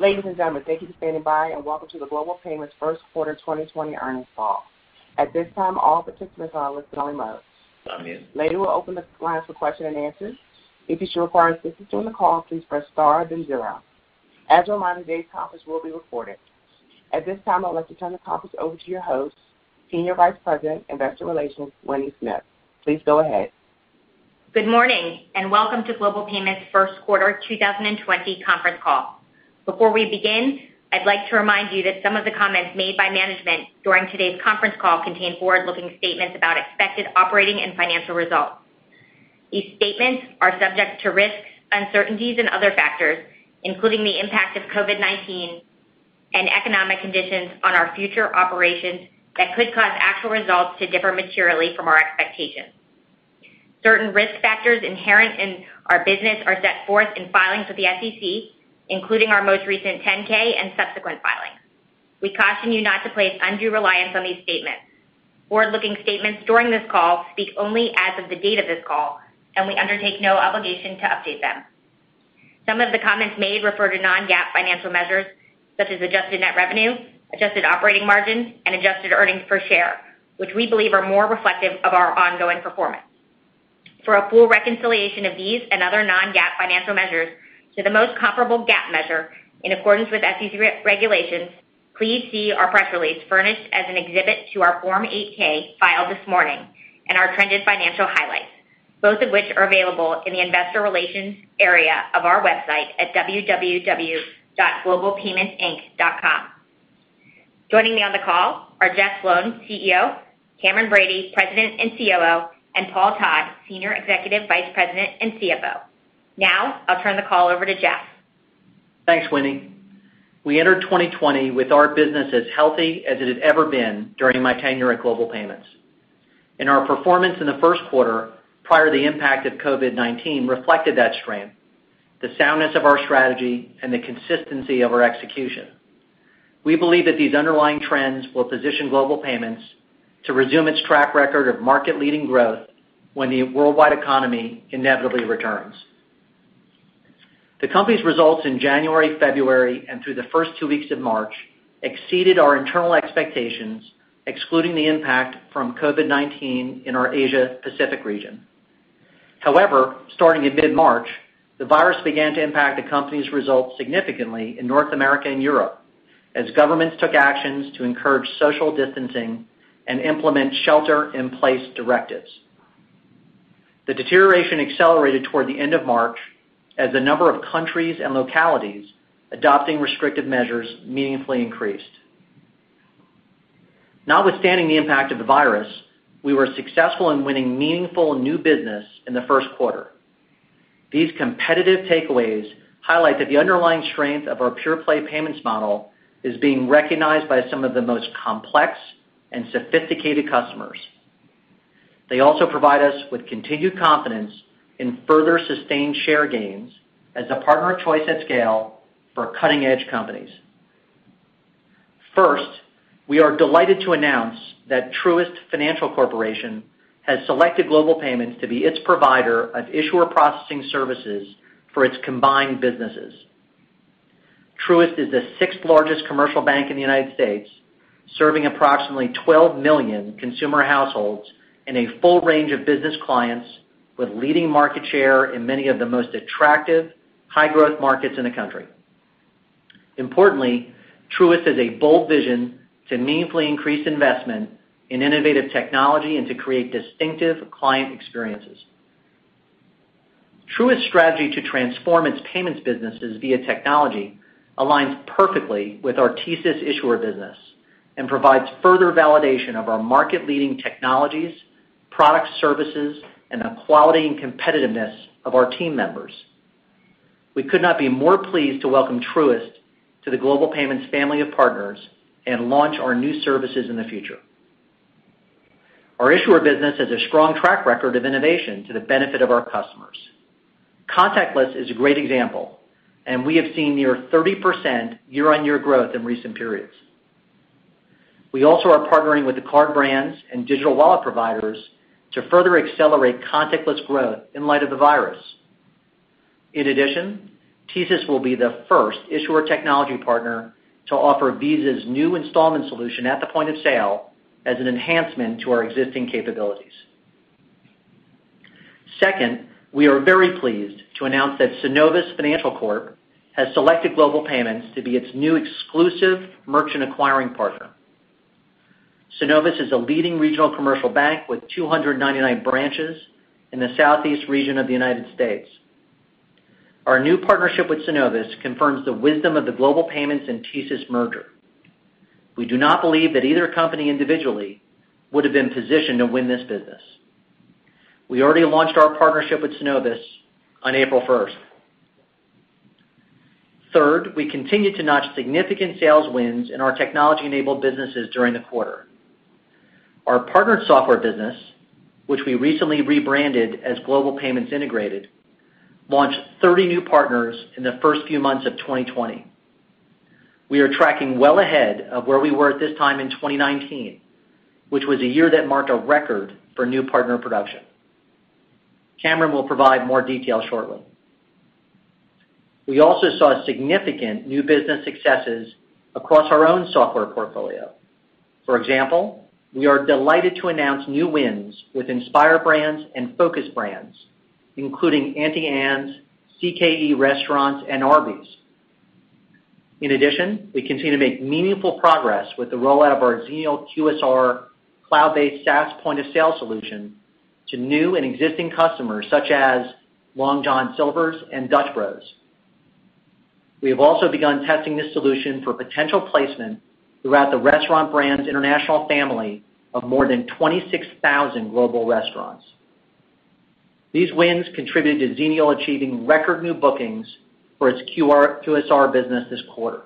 Ladies and gentlemen, thank you for standing by, and welcome to the Global Payments first quarter 2020 earnings call. At this time, all participants are in listen-only mode. Later, we'll open the lines for question and answers. If you should require assistance during the call, please press star then zero. As a reminder, today's conference will be recorded. At this time, I'd like to turn the conference over to your host, Senior Vice President, Investor Relations, Winnie Smith. Please go ahead. Good morning, and welcome to Global Payments' first quarter 2020 conference call. Before we begin, I'd like to remind you that some of the comments made by management during today's conference call contain forward-looking statements about expected operating and financial results. These statements are subject to risks, uncertainties, and other factors, including the impact of COVID-19 and economic conditions on our future operations that could cause actual results to differ materially from our expectations. Certain risk factors inherent in our business are set forth in filings with the SEC, including our most recent 10-K and subsequent filings. We caution you not to place undue reliance on these statements. Forward-looking statements during this call speak only as of the date of this call, and we undertake no obligation to update them. Some of the comments made refer to non-GAAP financial measures, such as adjusted net revenue, adjusted operating margin, and adjusted earnings per share, which we believe are more reflective of our ongoing performance. For a full reconciliation of these and other non-GAAP financial measures to the most comparable GAAP measure, in accordance with SEC regulations, please see our press release furnished as an exhibit to our Form 8-K filed this morning and our trended financial highlights, both of which are available in the Investor Relations area of our website at www.globalpaymentsinc.com. Joining me on the call are Jeff Sloan, CEO, Cameron Bready, President and COO, and Paul Todd, Senior Executive Vice President and CFO. Now, I'll turn the call over to Jeff. Thanks, Winnie. We entered 2020 with our business as healthy as it had ever been during my tenure at Global Payments. Our performance in the first quarter, prior to the impact of COVID-19, reflected that strength, the soundness of our strategy, and the consistency of our execution. We believe that these underlying trends will position Global Payments to resume its track record of market-leading growth when the worldwide economy inevitably returns. The company's results in January, February, and through the first two weeks of March exceeded our internal expectations, excluding the impact from COVID-19 in our Asia-Pacific region. However, starting in mid-March, the virus began to impact the company's results significantly in North America and Europe as governments took actions to encourage social distancing and implement shelter-in-place directives. The deterioration accelerated toward the end of March as the number of countries and localities adopting restrictive measures meaningfully increased. Notwithstanding the impact of the virus, we were successful in winning meaningful new business in the first quarter. These competitive takeaways highlight that the underlying strength of our pure-play payments model is being recognized by some of the most complex and sophisticated customers. They also provide us with continued confidence in further sustained share gains as a partner of choice at scale for cutting-edge companies. First, we are delighted to announce that Truist Financial Corporation has selected Global Payments to be its provider of issuer processing services for its combined businesses. Truist is the sixth-largest commercial bank in the U.S., serving approximately 12 million consumer households and a full range of business clients with leading market share in many of the most attractive, high-growth markets in the country. Importantly, Truist has a bold vision to meaningfully increase investment in innovative technology and to create distinctive client experiences. Truist's strategy to transform its payments businesses via technology aligns perfectly with our TSYS issuer business and provides further validation of our market-leading technologies, product services, and the quality and competitiveness of our team members. We could not be more pleased to welcome Truist to the Global Payments family of partners and launch our new services in the future. Our issuer business has a strong track record of innovation to the benefit of our customers. Contactless is a great example, and we have seen near 30% year-on-year growth in recent periods. We also are partnering with the card brands and digital wallet providers to further accelerate contactless growth in light of the virus. In addition, TSYS will be the first issuer technology partner to offer Visa's new installment solution at the point of sale as an enhancement to our existing capabilities. Second, we are very pleased to announce that Synovus Financial Corp has selected Global Payments to be its new exclusive merchant acquiring partner. Synovus is a leading regional commercial bank with 299 branches in the southeast region of the United States. Our new partnership with Synovus confirms the wisdom of the Global Payments and TSYS merger. We do not believe that either company individually would have been positioned to win this business. We already launched our partnership with Synovus on April 1st. Third, we continued to notch significant sales wins in our technology-enabled businesses during the quarter. Our partnered software business, which we recently rebranded as Global Payments Integrated, launched 30 new partners in the first few months of 2020. We are tracking well ahead of where we were at this time in 2019, which was a year that marked a record for new partner production. Cameron will provide more details shortly. We also saw significant new business successes across our own software portfolio. For example, we are delighted to announce new wins with Inspire Brands and Focus Brands, including Auntie Anne's, CKE Restaurants, and Arby's. In addition, we continue to make meaningful progress with the rollout of our Xenial QSR cloud-based SaaS point-of-sale solution to new and existing customers such as Long John Silver's and Dutch Bros. We have also begun testing this solution for potential placement throughout the Restaurant Brands International family of more than 26,000 global restaurants. These wins contributed to Xenial achieving record new bookings for its QSR business this quarter.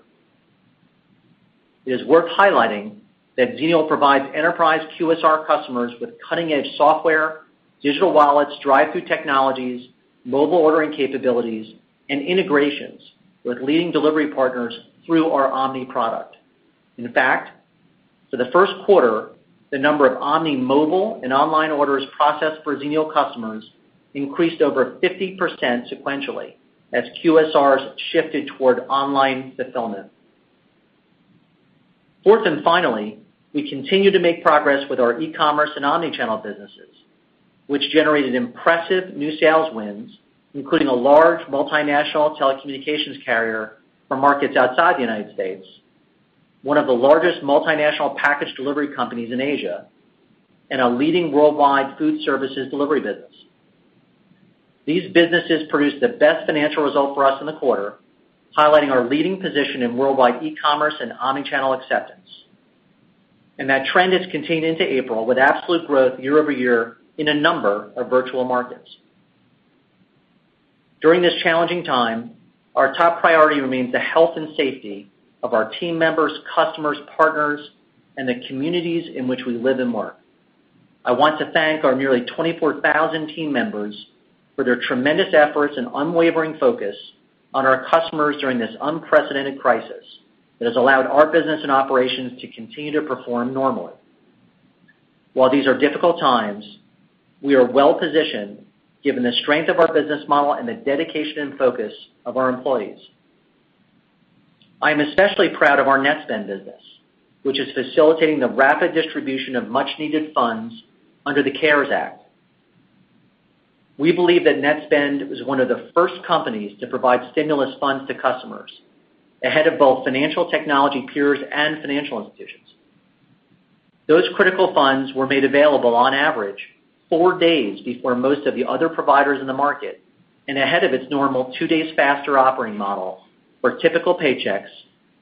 It is worth highlighting that Xenial provides enterprise QSR customers with cutting-edge software, digital wallets, drive-thru technologies, mobile ordering capabilities, and integrations with leading delivery partners through our omni product. In fact, for the first quarter, the number of omni mobile and online orders processed for Xenial customers increased over 50% sequentially as QSRs shifted toward online fulfillment. Fourth, and finally, we continue to make progress with our e-commerce and omni-channel businesses, which generated impressive new sales wins, including a large multinational telecommunications carrier for markets outside the United States, one of the largest multinational package delivery companies in Asia, and a leading worldwide food services delivery business. These businesses produced the best financial result for us in the quarter, highlighting our leading position in worldwide e-commerce and omni-channel acceptance. That trend has continued into April with absolute growth year-over-year in a number of virtual markets. During this challenging time, our top priority remains the health and safety of our team members, customers, partners, and the communities in which we live and work. I want to thank our nearly 24,000 team members for their tremendous efforts and unwavering focus on our customers during this unprecedented crisis that has allowed our business and operations to continue to perform normally. While these are difficult times, we are well-positioned given the strength of our business model and the dedication and focus of our employees. I am especially proud of our Netspend business, which is facilitating the rapid distribution of much-needed funds under the CARES Act. We believe that Netspend was one of the first companies to provide stimulus funds to customers, ahead of both financial technology peers and financial institutions. Those critical funds were made available on average four days before most of the other providers in the market and ahead of its normal two days faster operating model for typical paychecks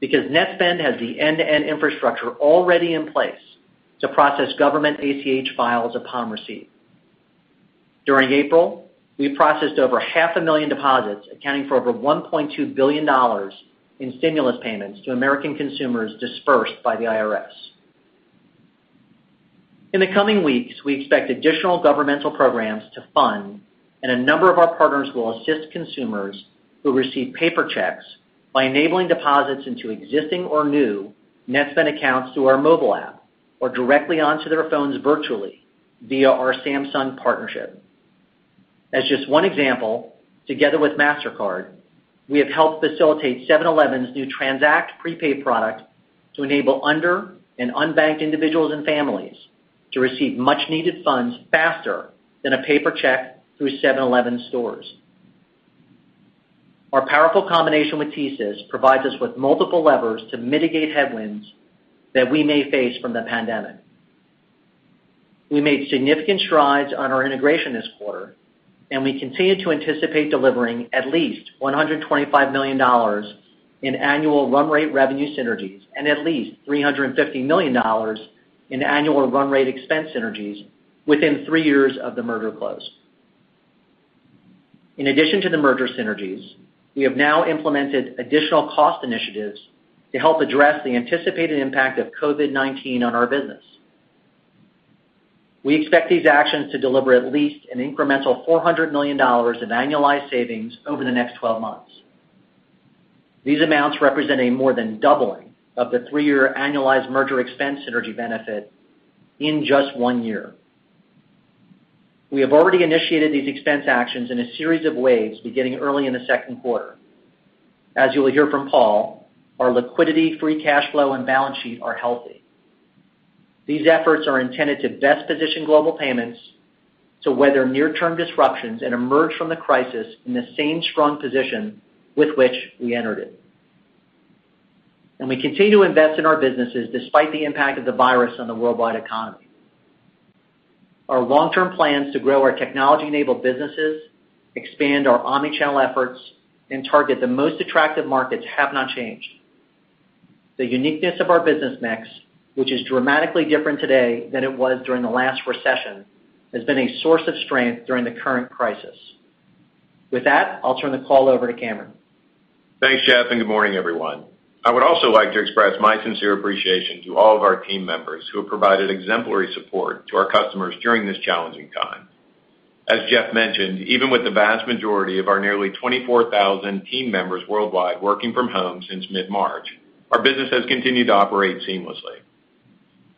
because Netspend has the end-to-end infrastructure already in place to process government ACH files upon receipt. During April, we processed over 500,000 deposits, accounting for over $1.2 billion in stimulus payments to American consumers dispersed by the IRS. In the coming weeks, we expect additional governmental programs to fund, and a number of our partners will assist consumers who receive paper checks by enabling deposits into existing or new Netspend accounts through our mobile app or directly onto their phones virtually via our Samsung partnership. As just one example, together with Mastercard, we have helped facilitate 7-Eleven's new Trans@ct prepaid product to enable under and unbanked individuals and families to receive much needed funds faster than a paper check through 7-Eleven stores. Our powerful combination with TSYS provides us with multiple levers to mitigate headwinds that we may face from the pandemic. We made significant strides on our integration this quarter, and we continue to anticipate delivering at least $125 million in annual run rate revenue synergies and at least $350 million in annual run rate expense synergies within three years of the merger close. In addition to the merger synergies, we have now implemented additional cost initiatives to help address the anticipated impact of COVID-19 on our business. We expect these actions to deliver at least an incremental $400 million in annualized savings over the next 12 months. These amounts represent a more than doubling of the three-year annualized merger expense synergy benefit in just one year. We have already initiated these expense actions in a series of waves beginning early in the second quarter. As you will hear from Paul, our liquidity, free cash flow, and balance sheet are healthy. These efforts are intended to best position Global Payments to weather near-term disruptions and emerge from the crisis in the same strong position with which we entered it. We continue to invest in our businesses despite the impact of the virus on the worldwide economy. Our long-term plans to grow our technology-enabled businesses, expand our omni-channel efforts, and target the most attractive markets have not changed. The uniqueness of our business mix, which is dramatically different today than it was during the last recession, has been a source of strength during the current crisis. With that, I'll turn the call over to Cameron. Thanks, Jeff, and good morning, everyone. I would also like to express my sincere appreciation to all of our team members who have provided exemplary support to our customers during this challenging time. As Jeff mentioned, even with the vast majority of our nearly 24,000 team members worldwide working from home since mid-March, our business has continued to operate seamlessly.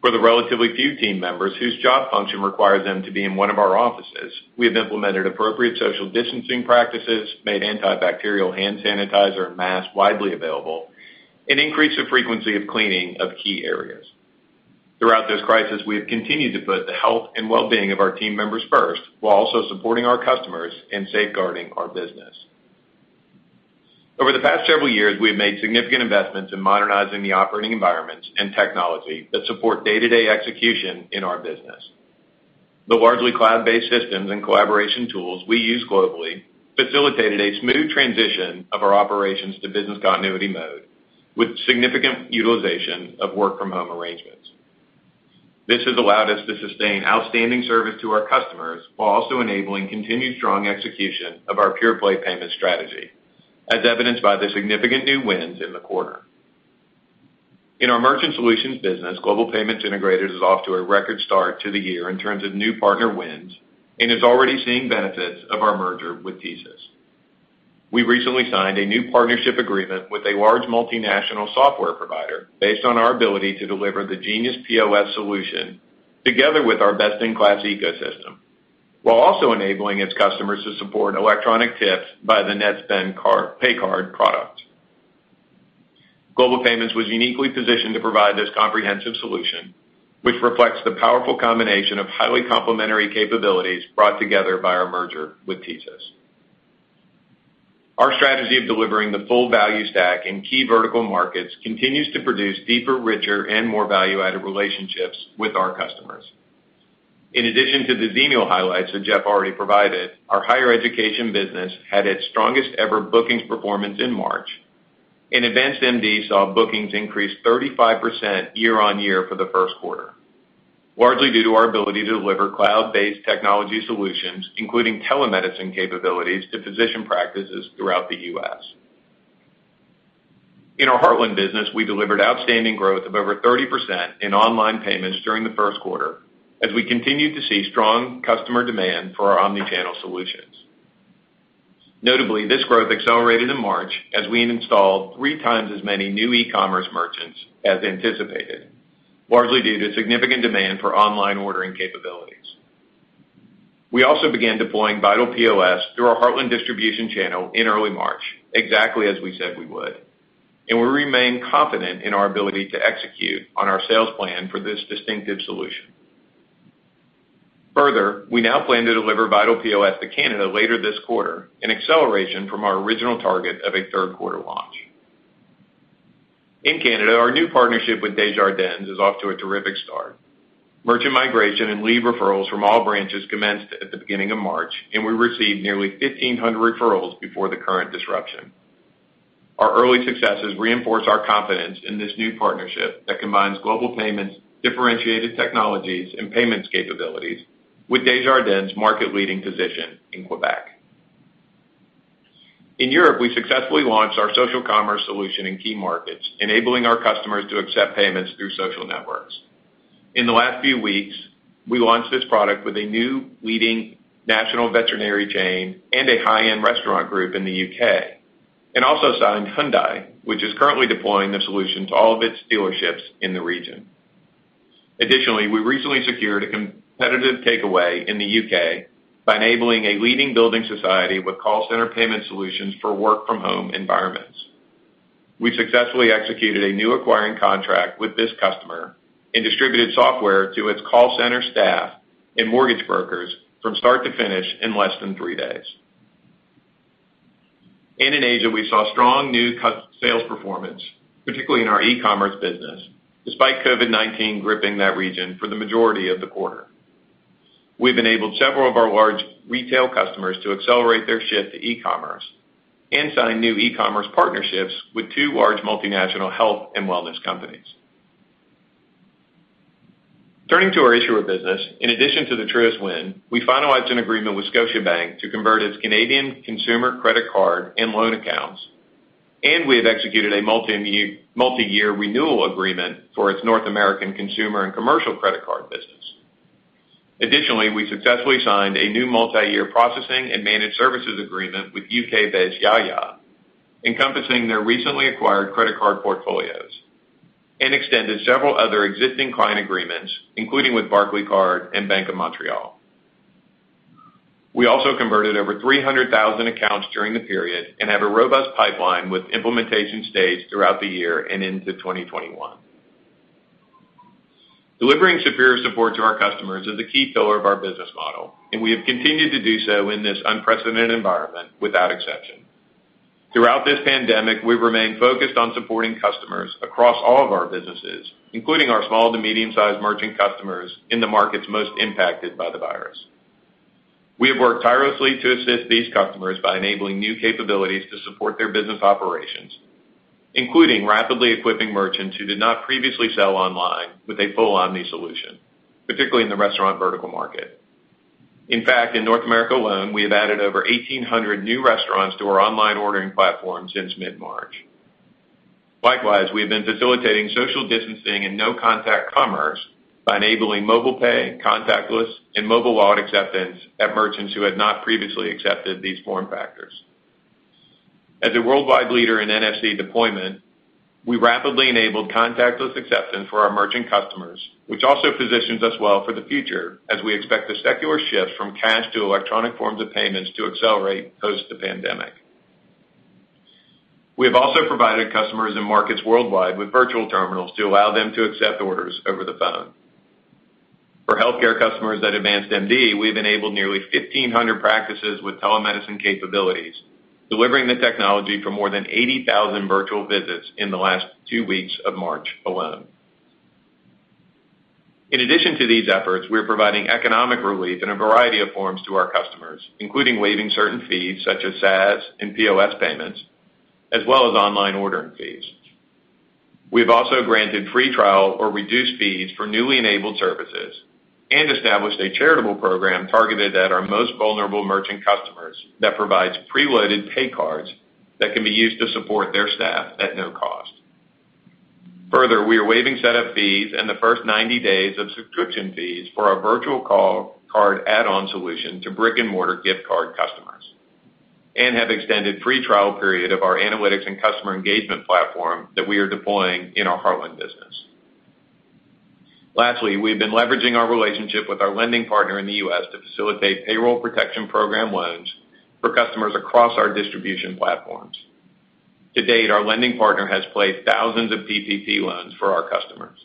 For the relatively few team members whose job function requires them to be in one of our offices, we have implemented appropriate social distancing practices, made antibacterial hand sanitizer and masks widely available, and increased the frequency of cleaning of key areas. Throughout this crisis, we have continued to put the health and wellbeing of our team members first, while also supporting our customers and safeguarding our business. Over the past several years, we have made significant investments in modernizing the operating environments and technology that support day-to-day execution in our business. The largely cloud-based systems and collaboration tools we use globally facilitated a smooth transition of our operations to business continuity mode, with significant utilization of work-from-home arrangements. This has allowed us to sustain outstanding service to our customers while also enabling continued strong execution of our pure-play payment strategy, as evidenced by the significant new wins in the quarter. In our Merchant Solutions business, Global Payments Integrated is off to a record start to the year in terms of new partner wins and is already seeing benefits of our merger with TSYS. We recently signed a new partnership agreement with a large multinational software provider based on our ability to deliver the Genius POS solution together with our best-in-class ecosystem, while also enabling its customers to support electronic tips via the Netspend pay card product. Global Payments was uniquely positioned to provide this comprehensive solution, which reflects the powerful combination of highly complementary capabilities brought together by our merger with TSYS. Our strategy of delivering the full value stack in key vertical markets continues to produce deeper, richer, and more value-added relationships with our customers. In addition to the Xenial highlights that Jeff already provided, our higher education business had its strongest ever bookings performance in March, and AdvancedMD saw bookings increase 35% year-on-year for the first quarter, largely due to our ability to deliver cloud-based technology solutions, including telemedicine capabilities, to physician practices throughout the U.S. In our Heartland business, we delivered outstanding growth of over 30% in online payments during the first quarter as we continued to see strong customer demand for our omni-channel solutions. Notably, this growth accelerated in March as we installed three times as many new e-commerce merchants as anticipated, largely due to significant demand for online ordering capabilities. We also began deploying Vital POS through our Heartland distribution channel in early March, exactly as we said we would, and we remain confident in our ability to execute on our sales plan for this distinctive solution. Further, we now plan to deliver Vital POS to Canada later this quarter, an acceleration from our original target of a third-quarter launch. In Canada, our new partnership with Desjardins is off to a terrific start. Merchant migration and lead referrals from all branches commenced at the beginning of March, and we received nearly 1,500 referrals before the current disruption. Our early successes reinforce our confidence in this new partnership that combines Global Payments' differentiated technologies and payments capabilities with Desjardins' market-leading position in Quebec. In Europe, we successfully launched our social commerce solution in key markets, enabling our customers to accept payments through social networks. In the last few weeks, we launched this product with a new leading national veterinary chain and a high-end restaurant group in the U.K., and also signed Hyundai, which is currently deploying the solution to all of its dealerships in the region. Additionally, we recently secured a competitive takeaway in the U.K. by enabling a leading building society with call center payment solutions for work-from-home environments. We successfully executed a new acquiring contract with this customer and distributed software to its call center staff and mortgage brokers from start to finish in less than three days. In Asia, we saw strong new sales performance, particularly in our e-commerce business, despite COVID-19 gripping that region for the majority of the quarter. We've enabled several of our large retail customers to accelerate their shift to e-commerce and signed new e-commerce partnerships with two large multinational health and wellness companies. Turning to our issuer business, in addition to the Truist win, we finalized an agreement with Scotiabank to convert its Canadian consumer credit card and loan accounts, and we have executed a multi-year renewal agreement for its North American consumer and commercial credit card business. Additionally, we successfully signed a new multi-year processing and managed services agreement with U.K.-based Jaja, encompassing their recently acquired credit card portfolios and extended several other existing client agreements, including with Barclaycard and Bank of Montreal. We also converted over 300,000 accounts during the period and have a robust pipeline with implementation staged throughout the year and into 2021. Delivering superior support to our customers is a key pillar of our business model, and we have continued to do so in this unprecedented environment without exception. Throughout this pandemic, we've remained focused on supporting customers across all of our businesses, including our small to medium-sized merchant customers in the markets most impacted by the virus. We have worked tirelessly to assist these customers by enabling new capabilities to support their business operations, including rapidly equipping merchants who did not previously sell online with a full omni solution, particularly in the restaurant vertical market. In fact, in North America alone, we have added over 1,800 new restaurants to our online ordering platform since mid-March. Likewise, we have been facilitating social distancing and no-contact commerce by enabling mobile pay, contactless, and mobile wallet acceptance at merchants who had not previously accepted these form factors. As a worldwide leader in NFC deployment, we rapidly enabled contactless acceptance for our merchant customers, which also positions us well for the future as we expect the secular shift from cash to electronic forms of payments to accelerate post the pandemic. We have also provided customers in markets worldwide with virtual terminals to allow them to accept orders over the phone. For healthcare customers at AdvancedMD, we've enabled nearly 1,500 practices with telemedicine capabilities, delivering the technology for more than 80,000 virtual visits in the last two weeks of March alone. In addition to these efforts, we are providing economic relief in a variety of forms to our customers, including waiving certain fees such as SaaS and POS payments, as well as online ordering fees. We have also granted free trial or reduced fees for newly enabled services and established a charitable program targeted at our most vulnerable merchant customers that provides preloaded pay cards that can be used to support their staff at no cost. Further, we are waiving set-up fees and the first 90 days of subscription fees for our virtual card add-on solution to brick-and-mortar gift card customers and have extended free trial period of our analytics and customer engagement platform that we are deploying in our Heartland business. Lastly, we've been leveraging our relationship with our lending partner in the U.S. to facilitate Paycheck Protection Program loans for customers across our distribution platforms. To date, our lending partner has placed thousands of PPP loans for our customers.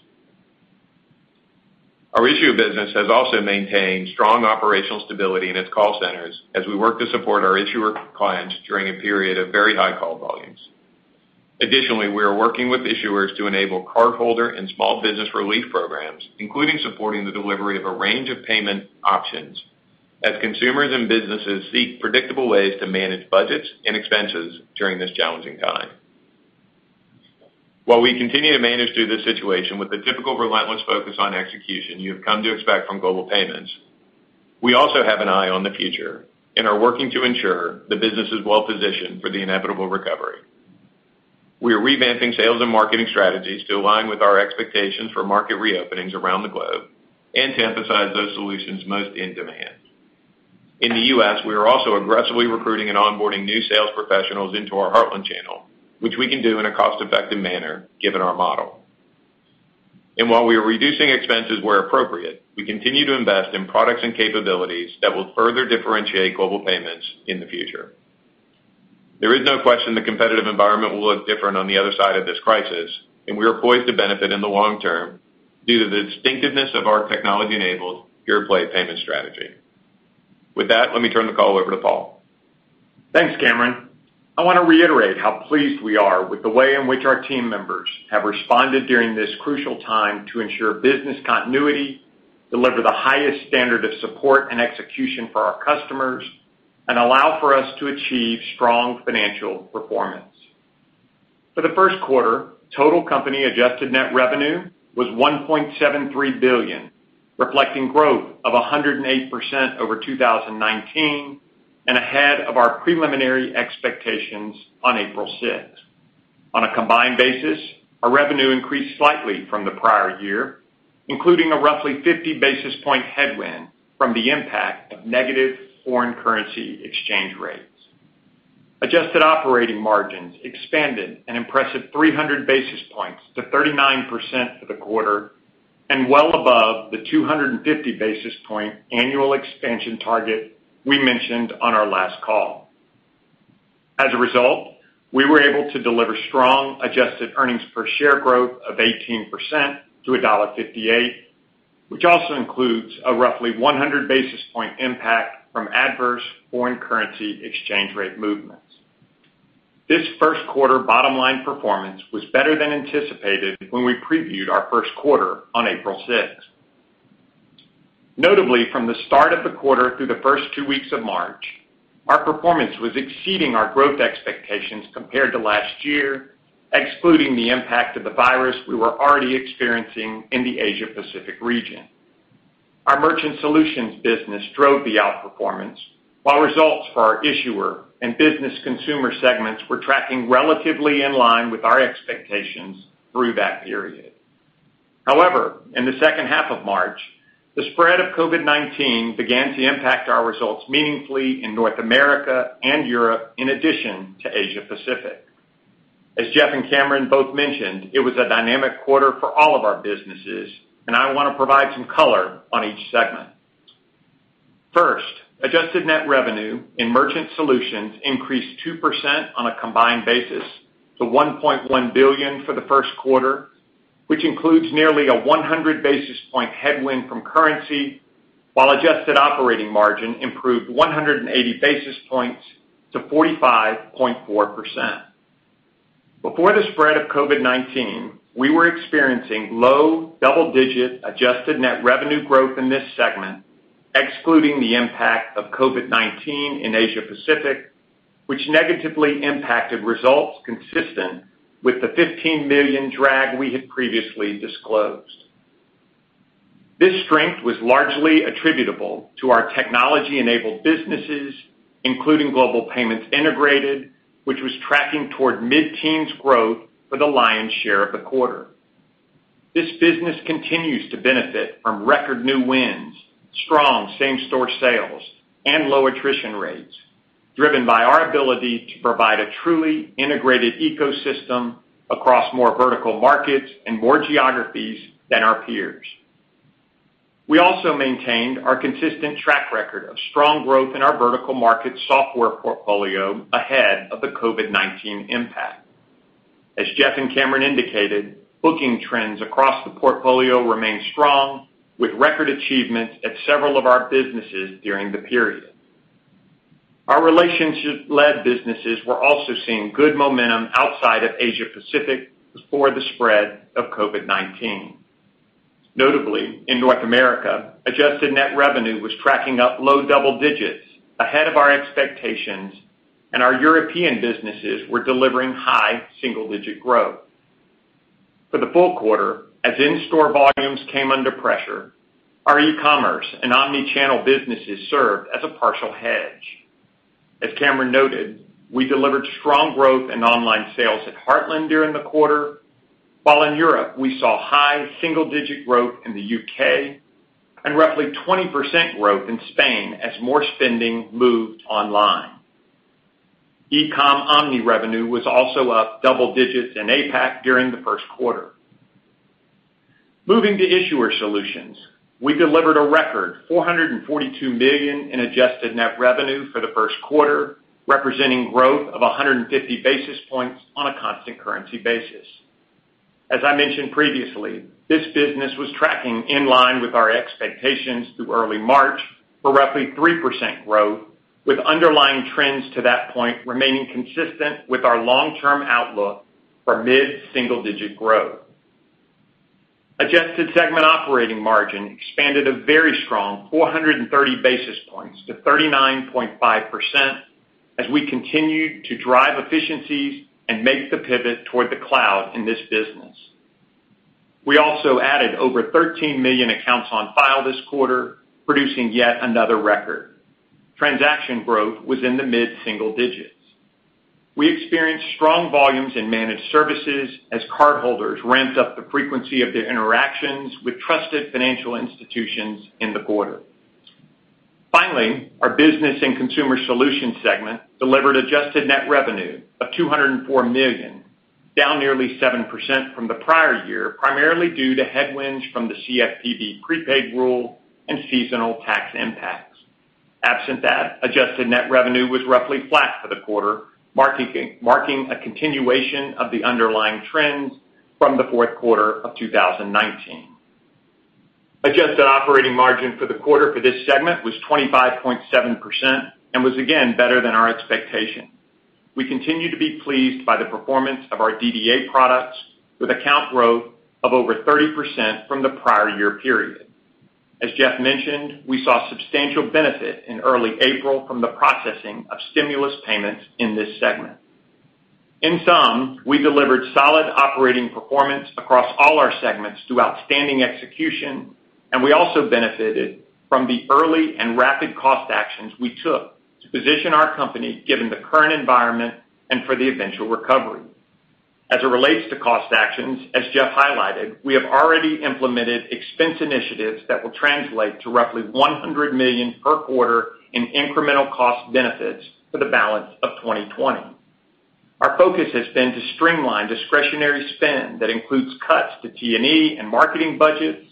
Our issuer business has also maintained strong operational stability in its call centers as we work to support our issuer clients during a period of very high call volumes. Additionally, we are working with issuers to enable cardholder and small business relief programs, including supporting the delivery of a range of payment options as consumers and businesses seek predictable ways to manage budgets and expenses during this challenging time. While we continue to manage through this situation with the typical relentless focus on execution you have come to expect from Global Payments, we also have an eye on the future and are working to ensure the business is well-positioned for the inevitable recovery. We are revamping sales and marketing strategies to align with our expectations for market reopenings around the globe and to emphasize those solutions most in demand. In the U.S., we are also aggressively recruiting and onboarding new sales professionals into our Heartland channel, which we can do in a cost-effective manner given our model. While we are reducing expenses where appropriate, we continue to invest in products and capabilities that will further differentiate Global Payments in the future. There is no question the competitive environment will look different on the other side of this crisis, and we are poised to benefit in the long term due to the distinctiveness of our technology-enabled pure-play payment strategy. With that, let me turn the call over to Paul. Thanks, Cameron. I want to reiterate how pleased we are with the way in which our team members have responded during this crucial time to ensure business continuity, deliver the highest standard of support and execution for our customers, and allow for us to achieve strong financial performance. For the first quarter, total company adjusted net revenue was $1.73 billion, reflecting growth of 108% over 2019 and ahead of our preliminary expectations on April 6th. On a combined basis, our revenue increased slightly from the prior year, including a roughly 50-basis-point headwind from the impact of negative foreign currency exchange rates. Adjusted operating margins expanded an impressive 300 basis points to 39% for the quarter and well above the 250-basis-point annual expansion target we mentioned on our last call. We were able to deliver strong adjusted earnings per share growth of 18% to $1.58, which also includes a roughly 100-basis-point impact from adverse foreign currency exchange rate movements. This first quarter bottom-line performance was better than anticipated when we previewed our first quarter on April 6th. Notably, from the start of the quarter through the first two weeks of March, our performance was exceeding our growth expectations compared to last year, excluding the impact of the virus we were already experiencing in the Asia-Pacific region. Our Merchant Solutions business drove the outperformance, while results for our issuer and business consumer segments were tracking relatively in line with our expectations through that period. In the second half of March, the spread of COVID-19 began to impact our results meaningfully in North America and Europe, in addition to Asia-Pacific. As Jeff and Cameron both mentioned, it was a dynamic quarter for all of our businesses. I want to provide some color on each segment. First, adjusted net revenue in Merchant Solutions increased 2% on a combined basis to $1.1 billion for the first quarter, which includes nearly a 100-basis-point headwind from currency while adjusted operating margin improved 180 basis points to 45.4%. Before the spread of COVID-19, we were experiencing low double-digit adjusted net revenue growth in this segment, excluding the impact of COVID-19 in Asia-Pacific, which negatively impacted results consistent with the $15 million drag we had previously disclosed. This strength was largely attributable to our technology-enabled businesses, including Global Payments Integrated, which was tracking toward mid-teens growth for the lion's share of the quarter. This business continues to benefit from record new wins, strong same-store sales, and low attrition rates, driven by our ability to provide a truly integrated ecosystem across more vertical markets and more geographies than our peers. We also maintained our consistent track record of strong growth in our vertical market software portfolio ahead of the COVID-19 impact. As Jeff and Cameron indicated, booking trends across the portfolio remain strong, with record achievements at several of our businesses during the period. Our relationship-led businesses were also seeing good momentum outside of Asia-Pacific before the spread of COVID-19. Notably, in North America, adjusted net revenue was tracking up low double digits, ahead of our expectations, and our European businesses were delivering high single-digit growth. For the full quarter, as in-store volumes came under pressure, our e-commerce and omni-channel businesses served as a partial hedge. As Cameron noted, we delivered strong growth in online sales at Heartland during the quarter, while in Europe, we saw high single-digit growth in the U.K. and roughly 20% growth in Spain as more spending moved online. E-com omni revenue was also up double digits in APAC during the first quarter. Moving to issuer solutions, we delivered a record $442 million in adjusted net revenue for the first quarter, representing growth of 150 basis points on a constant currency basis. As I mentioned previously, this business was tracking in line with our expectations through early March for roughly 3% growth, with underlying trends to that point remaining consistent with our long-term outlook for mid-single-digit growth. Adjusted segment operating margin expanded a very strong 430 basis points to 39.5% as we continued to drive efficiencies and make the pivot toward the cloud in this business. We also added over 13 million accounts on file this quarter, producing yet another record. Transaction growth was in the mid-single digits. We experienced strong volumes in managed services as cardholders ramped up the frequency of their interactions with trusted financial institutions in the quarter. Our business and consumer solutions segment delivered adjusted net revenue of $204 million, down nearly 7% from the prior year, primarily due to headwinds from the CFPB prepaid rule and seasonal tax impacts. Absent that, adjusted net revenue was roughly flat for the quarter, marking a continuation of the underlying trends from the fourth quarter of 2019. Adjusted operating margin for the quarter for this segment was 25.7% and was again better than our expectation. We continue to be pleased by the performance of our DDA products with account growth of over 30% from the prior year period. As Jeff mentioned, we saw substantial benefit in early April from the processing of stimulus payments in this segment. In sum, we delivered solid operating performance across all our segments through outstanding execution, and we also benefited from the early and rapid cost actions we took to position our company given the current environment and for the eventual recovery. As it relates to cost actions, as Jeff highlighted, we have already implemented expense initiatives that will translate to roughly $100 million per quarter in incremental cost benefits for the balance of 2020. Our focus has been to streamline discretionary spend that includes cuts to T&E and marketing budgets,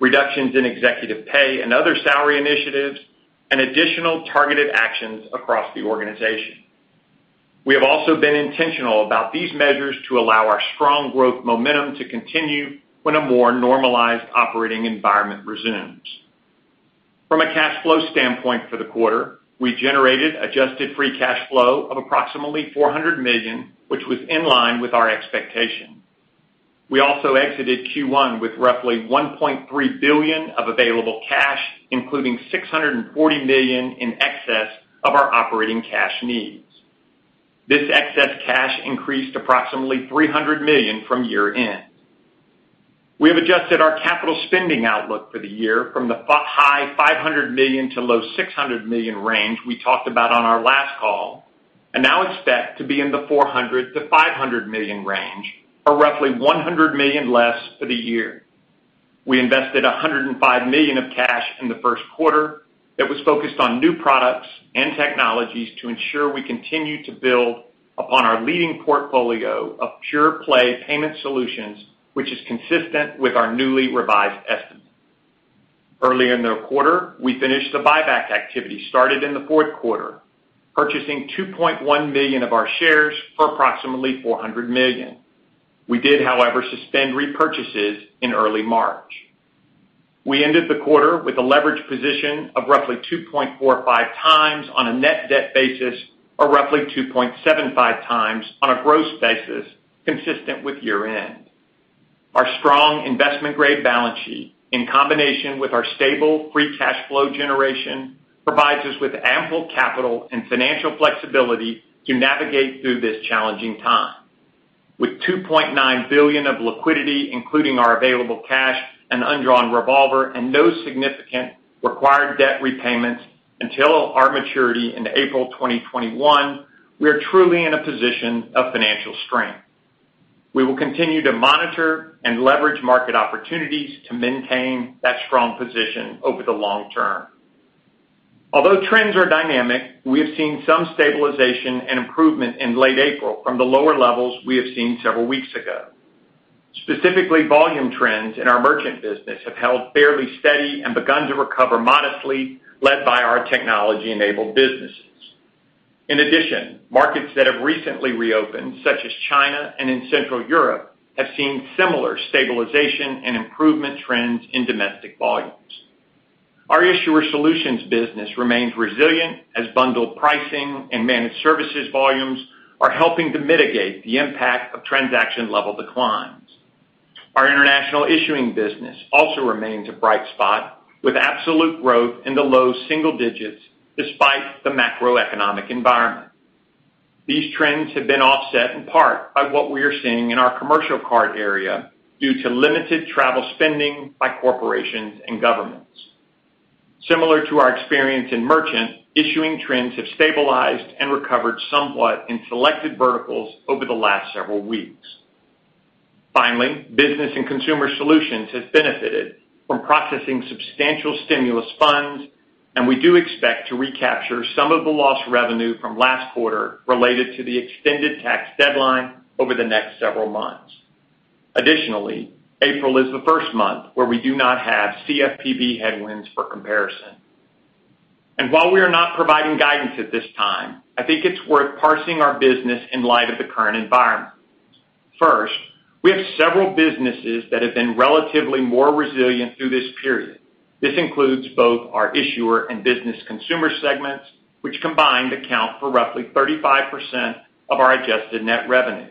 reductions in executive pay and other salary initiatives, and additional targeted actions across the organization. We have also been intentional about these measures to allow our strong growth momentum to continue when a more normalized operating environment resumes. From a cash flow standpoint for the quarter, we generated adjusted free cash flow of approximately $400 million, which was in line with our expectation. We also exited Q1 with roughly $1.3 billion of available cash, including $640 million in excess of our operating cash needs. This excess cash increased approximately $300 million from year-end. We have adjusted our capital spending outlook for the year from the high $500 million-$600 million range we talked about on our last call and now expect to be in the $400 million-$500 million range, or roughly $100 million less for the year. We invested $105 million of cash in the first quarter that was focused on new products and technologies to ensure we continue to build upon our leading portfolio of pure play payment solutions, which is consistent with our newly revised estimate. Early in the quarter, we finished the buyback activity started in the fourth quarter, purchasing 2.1 million of our shares for approximately $400 million. We did, however, suspend repurchases in early March. We ended the quarter with a leverage position of roughly 2.45x on a net debt basis, or roughly 2.75x on a gross basis, consistent with year-end. Our strong investment-grade balance sheet, in combination with our stable free cash flow generation, provides us with ample capital and financial flexibility to navigate through this challenging time. With $2.9 billion of liquidity, including our available cash and undrawn revolver, and no significant required debt repayments until our maturity in April 2021, we are truly in a position of financial strength. We will continue to monitor and leverage market opportunities to maintain that strong position over the long term. Although trends are dynamic, we have seen some stabilization and improvement in late April from the lower levels we have seen several weeks ago. Specifically, volume trends in our merchant business have held fairly steady and begun to recover modestly, led by our technology-enabled businesses. In addition, markets that have recently reopened, such as China and in Central Europe, have seen similar stabilization and improvement trends in domestic volumes. Our issuer solutions business remains resilient as bundled pricing and managed services volumes are helping to mitigate the impact of transaction level declines. Our international issuing business also remains a bright spot, with absolute growth in the low single digits despite the macroeconomic environment. These trends have been offset in part by what we are seeing in our commercial card area due to limited travel spending by corporations and governments. Similar to our experience in Merchant, Issuer trends have stabilized and recovered somewhat in selected verticals over the last several weeks. Business and Consumer Solutions have benefited from processing substantial stimulus funds, and we do expect to recapture some of the lost revenue from last quarter related to the extended tax deadline over the next several months. April is the first month where we do not have CFPB headwinds for comparison. While we are not providing guidance at this time, I think it's worth parsing our business in light of the current environment. First, we have several businesses that have been relatively more resilient through this period. This includes both our Issuer and Business and Consumer segments, which combined account for roughly 35% of our adjusted net revenue.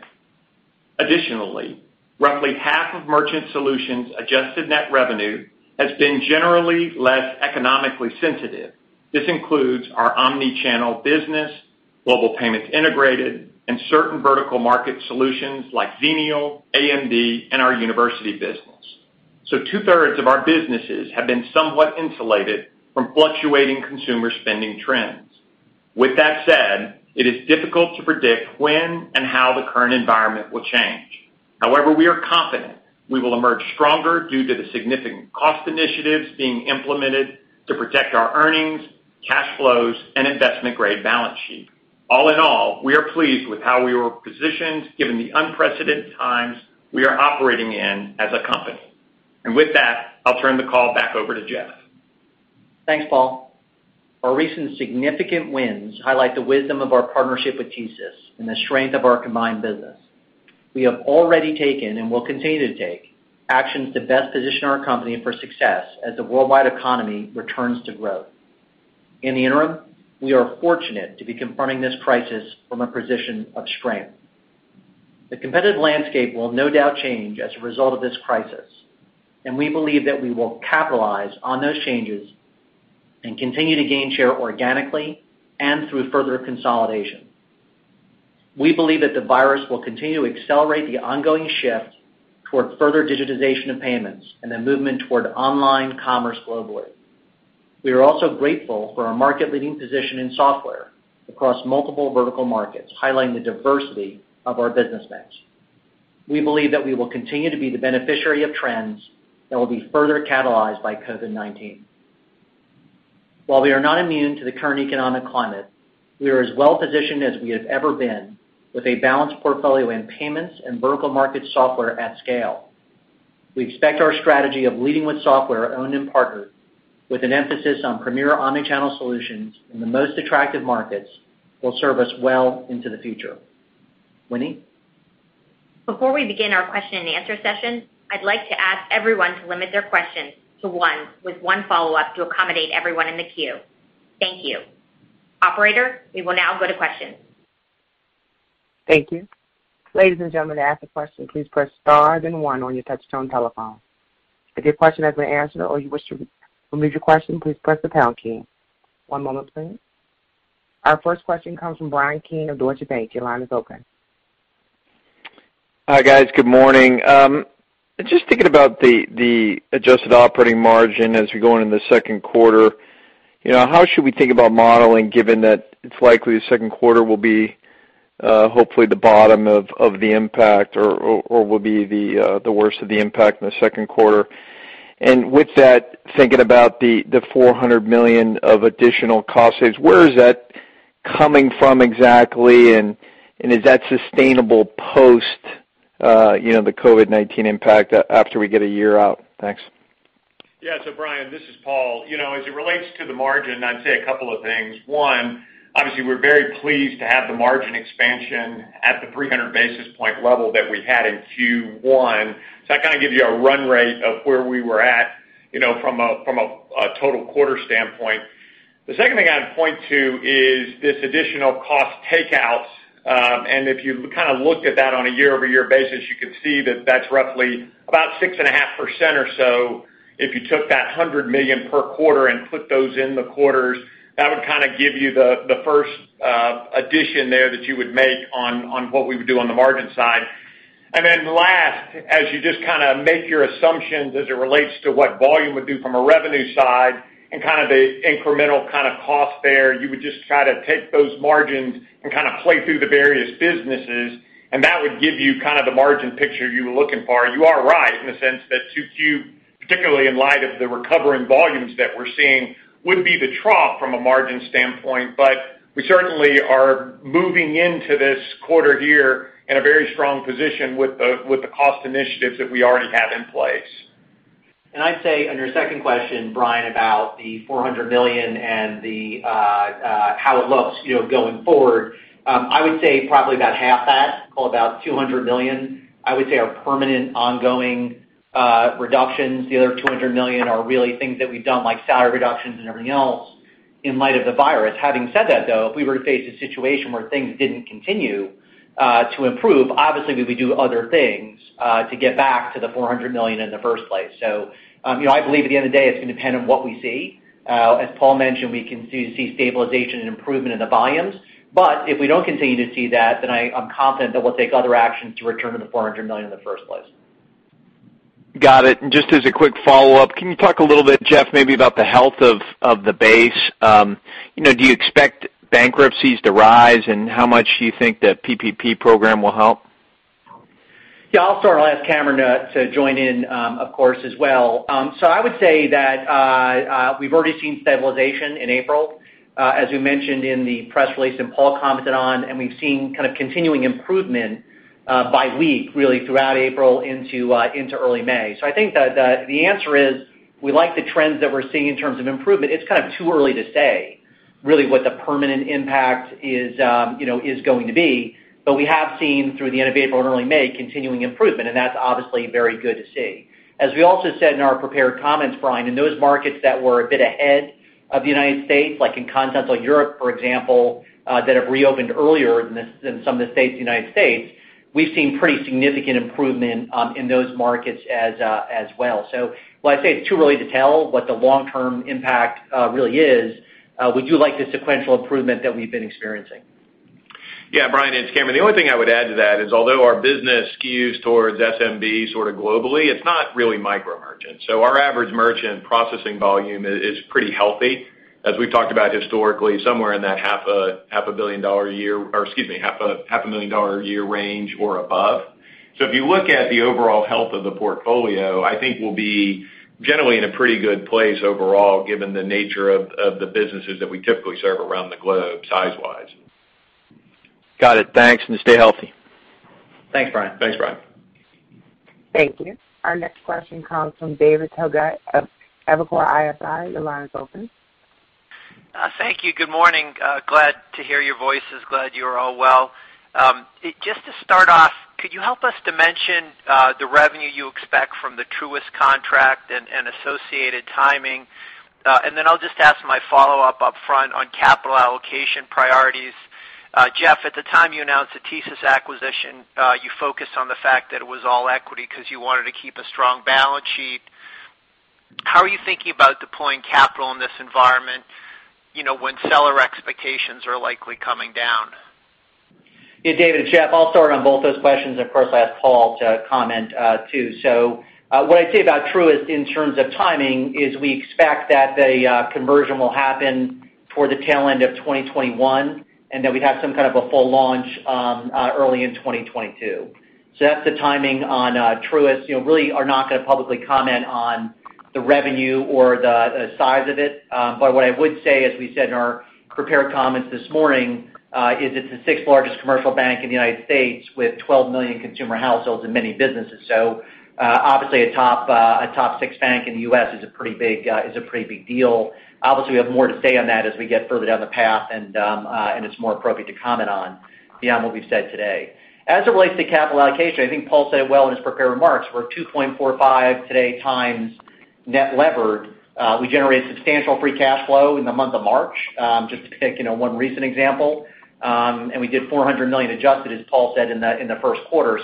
Roughly half of Merchant Solutions' adjusted net revenue has been generally less economically sensitive. This includes our omni-channel business, Global Payments Integrated, and certain vertical market solutions like Xenial, AdvancedMD, and our university business. 2/3 of our businesses have been somewhat insulated from fluctuating consumer spending trends. With that said, it is difficult to predict when and how the current environment will change. However, we are confident we will emerge stronger due to the significant cost initiatives being implemented to protect our earnings, cash flows, and investment-grade balance sheet. All in all, we are pleased with how we were positioned given the unprecedented times we are operating in as a company. With that, I'll turn the call back over to Jeff. Thanks, Paul. Our recent significant wins highlight the wisdom of our partnership with TSYS and the strength of our combined business. We have already taken, and will continue to take, actions to best position our company for success as the worldwide economy returns to growth. In the interim, we are fortunate to be confronting this crisis from a position of strength. The competitive landscape will no doubt change as a result of this crisis, and we believe that we will capitalize on those changes and continue to gain share organically and through further consolidation. We believe that the virus will continue to accelerate the ongoing shift towards further digitization of payments and the movement toward online commerce globally. We are also grateful for our market-leading position in software across multiple vertical markets, highlighting the diversity of our business mix. We believe that we will continue to be the beneficiary of trends that will be further catalyzed by COVID-19. While we are not immune to the current economic climate, we are as well-positioned as we have ever been with a balanced portfolio in payments and vertical market software at scale. We expect our strategy of leading with software, owned and partnered, with an emphasis on premier omnichannel solutions in the most attractive markets, will serve us well into the future. Winnie? Before we begin our question and answer session, I'd like to ask everyone to limit their questions to one with one follow-up to accommodate everyone in the queue. Thank you. Operator, we will now go to questions. Thank you. Ladies and gentlemen, to ask a question, please press star then one on your touch-tone telephone. If your question has been answered or you wish to remove your question, please press the pound key. One moment, please. Our first question comes from Bryan Keane of Deutsche Bank. Your line is open. Hi, guys. Good morning. Just thinking about the adjusted operating margin as we go into the second quarter. How should we think about modeling, given that it's likely the second quarter will be hopefully the bottom of the impact or will be the worst of the impact in the second quarter? With that, thinking about the $400 million of additional cost saves, where is that coming from exactly? Is that sustainable post the COVID-19 impact after we get a year out? Thanks. Bryan, this is Paul. As it relates to the margin, I'd say a couple of things. One, obviously, we're very pleased to have the margin expansion at the 300 basis points level that we had in Q1. That kind of gives you a run rate of where we were at from a total quarter standpoint. The second thing I'd point to is this additional cost takeouts. If you kind of looked at that on a year-over-year basis, you could see that that's roughly about 6.5% or so. If you took that $100 million per quarter and put those in the quarters, that would give you the first addition there that you would make on what we would do on the margin side. Then last, as you just make your assumptions as it relates to what volume would do from a revenue side and the incremental cost there, you would just try to take those margins and play through the various businesses, and that would give you the margin picture you were looking for. You are right in the sense that 2Q, particularly in light of the recovering volumes that we're seeing, would be the trough from a margin standpoint. We certainly are moving into this quarter here in a very strong position with the cost initiatives that we already have in place. I'd say on your second question, Bryan, about the $400 million and how it looks going forward. I would say probably about half that, call it about $200 million, I would say are permanent ongoing reductions. The other $200 million are really things that we've done, like salary reductions and everything else in light of the virus. Having said that, though, if we were to face a situation where things didn't continue to improve, obviously, we would do other things to get back to the $400 million in the first place. I believe at the end of the day, it's going to depend on what we see. As Paul mentioned, we continue to see stabilization and improvement in the volumes. If we don't continue to see that, then I'm confident that we'll take other actions to return to the $400 million in the first place. Got it. Just as a quick follow-up, can you talk a little bit, Jeff, maybe about the health of the base? Do you expect bankruptcies to rise, and how much do you think the PPP program will help? Yeah, I'll start and I'll ask Cameron to join in, of course, as well. I would say that we've already seen stabilization in April, as we mentioned in the press release and Paul commented on, and we've seen continuing improvement by week, really, throughout April into early May. I think that the answer is, we like the trends that we're seeing in terms of improvement. It's kind of too early to say really what the permanent impact is going to be. We have seen through the end of April and early May, continuing improvement, and that's obviously very good to see. As we also said in our prepared comments, Bryan, in those markets that were a bit ahead of the United States, like in Continental Europe, for example, that have reopened earlier than some of the states in the United States, we've seen pretty significant improvement in those markets as well. While I'd say it's too early to tell what the long-term impact really is, we do like the sequential improvement that we've been experiencing. Yeah, Bryan, it's Cameron. The only thing I would add to that is although our business skews towards SMB sort of globally, it's not really micro merchant. Our average merchant processing volume is pretty healthy. As we've talked about historically, somewhere in that $500,000 a year range or above. If you look at the overall health of the portfolio, I think we'll be generally in a pretty good place overall given the nature of the businesses that we typically serve around the globe, size-wise. Got it. Thanks, and stay healthy. Thanks, Bryan. Thanks, Bryan. Thank you. Our next question comes from David Togut of Evercore ISI. Your line is open. Thank you. Good morning. Glad to hear your voices. Glad you're all well. Just to start off, could you help us dimension the revenue you expect from the Truist contract and associated timing? I'll just ask my follow-up upfront on capital allocation priorities. Jeff, at the time you announced the TSYS acquisition, you focused on the fact that it was all equity because you wanted to keep a strong balance sheet. How are you thinking about deploying capital in this environment when seller expectations are likely coming down? Yeah, David, it's Jeff. I'll start on both those questions, and of course, I'll ask Paul to comment too. What I'd say about Truist in terms of timing is we expect that the conversion will happen toward the tail end of 2021, and that we have some kind of a full launch early in 2022. That's the timing on Truist. Really are not going to publicly comment on the revenue or the size of it. What I would say, as we said in our prepared comments this morning, is it's the sixth-largest commercial bank in the United States with 12 million consumer households and many businesses. Obviously, a top six bank in the U.S. is a pretty big deal. Obviously, we have more to say on that as we get further down the path and it's more appropriate to comment on beyond what we've said today. As it relates to capital allocation, I think Paul said it well in his prepared remarks. We're 2.45x net levered. We generated substantial free cash flow in the month of March, just to take one recent example, and we did $400 million adjusted, as Paul said, in the first quarter.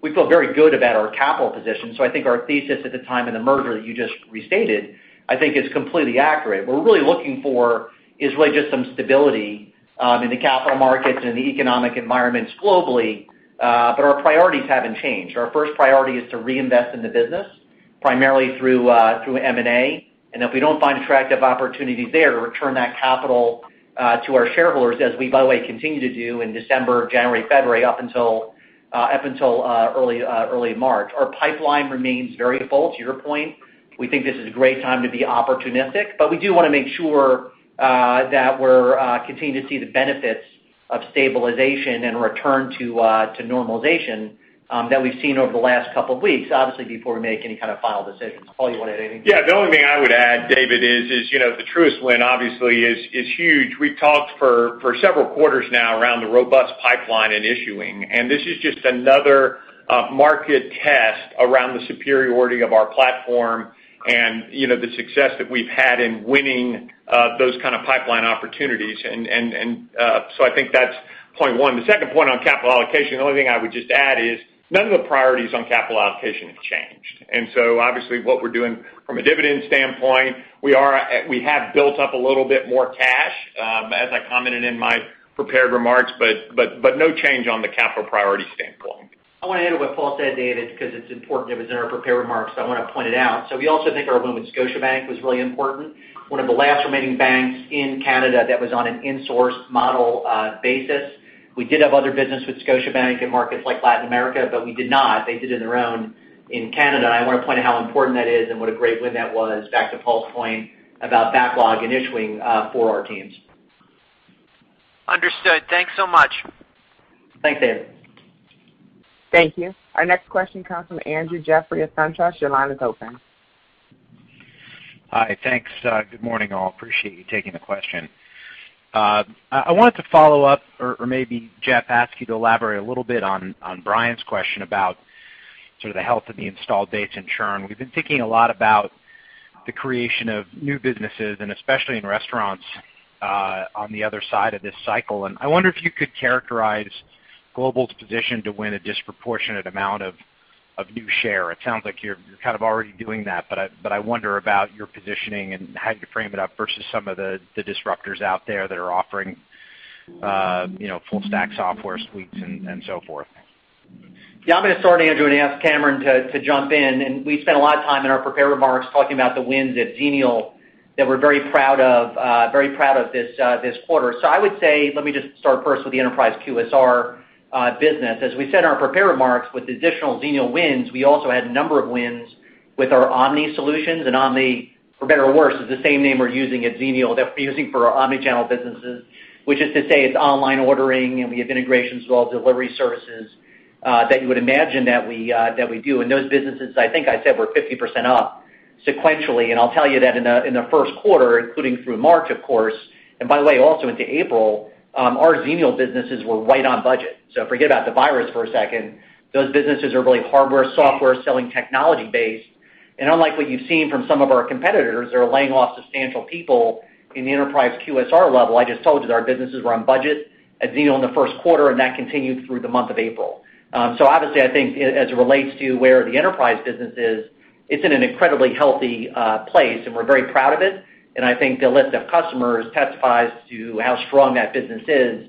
We feel very good about our capital position. I think our thesis at the time of the merger that you just restated, I think is completely accurate. What we're really looking for is really just some stability in the capital markets and in the economic environments globally. Our priorities haven't changed. Our first priority is to reinvest in the business, primarily through M&A. If we don't find attractive opportunities there to return that capital to our shareholders as we, by the way, continue to do in December, January, February, up until early March. Our pipeline remains very full, to your point. We think this is a great time to be opportunistic, but we do want to make sure that we're continuing to see the benefits of stabilization and return to normalization that we've seen over the last couple of weeks, obviously, before we make any kind of final decisions. Paul, you want to add anything to that? Yeah. The only thing I would add, David, is the Truist win obviously is huge. We've talked for several quarters now around the robust pipeline in issuing, and this is just another market test around the superiority of our platform and the success that we've had in winning those kind of pipeline opportunities. I think that's point one. The second point on capital allocation, the only thing I would just add is none of the priorities on capital allocation have changed. Obviously what we're doing from a dividend standpoint, we have built up a little bit more cash, as I commented in my prepared remarks, but no change on the capital priority standpoint. I want to add to what Paul said, David, because it's important. It was in our prepared remarks, so I want to point it out. We also think our win with Scotiabank was really important. One of the last remaining banks in Canada that was on an insourced model basis. We did have other business with Scotiabank in markets like Latin America, but we did not, they did it on their own in Canada. I want to point out how important that is and what a great win that was, back to Paul's point about backlog and issuing for our teams. Understood. Thanks so much. Thanks, David. Thank you. Our next question comes from Andrew Jeffrey at SunTrust. Your line is open. Hi. Thanks. Good morning, all. Appreciate you taking the question. I wanted to follow up or maybe, Jeff, ask you to elaborate a little bit on Bryan's question about sort of the health of the installed base and churn. We've been thinking a lot about the creation of new businesses, and especially in restaurants, on the other side of this cycle. I wonder if you could characterize Global's position to win a disproportionate amount of new share. It sounds like you're kind of already doing that, but I wonder about your positioning and how you frame it up versus some of the disruptors out there that are offering full stack software suites and so forth. Yeah, I'm going to start, Andrew, and ask Cameron to jump in. We spent a lot of time in our prepared remarks talking about the wins at Xenial that we're very proud of this quarter. I would say, let me just start first with the enterprise QSR business. As we said in our prepared remarks, with additional Xenial wins, we also had a number of wins with our omni solutions. omni, for better or worse, is the same name we're using at Xenial, that we're using for our omnichannel businesses, which is to say it's online ordering, and we have integrations with all delivery services that you would imagine that we do. Those businesses, I think I said, were 50% up sequentially. I'll tell you that in the first quarter, including through March, of course, and by the way, also into April, our Xenial businesses were right on budget. Forget about the virus for a second. Those businesses are really hardware, software selling technology based. Unlike what you've seen from some of our competitors that are laying off substantial people in the enterprise QSR level, I just told you that our businesses were on budget at Xenial in the first quarter, and that continued through the month of April. Obviously, I think as it relates to where the enterprise business is, it's in an incredibly healthy place and we're very proud of it. I think the list of customers testifies to how strong that business is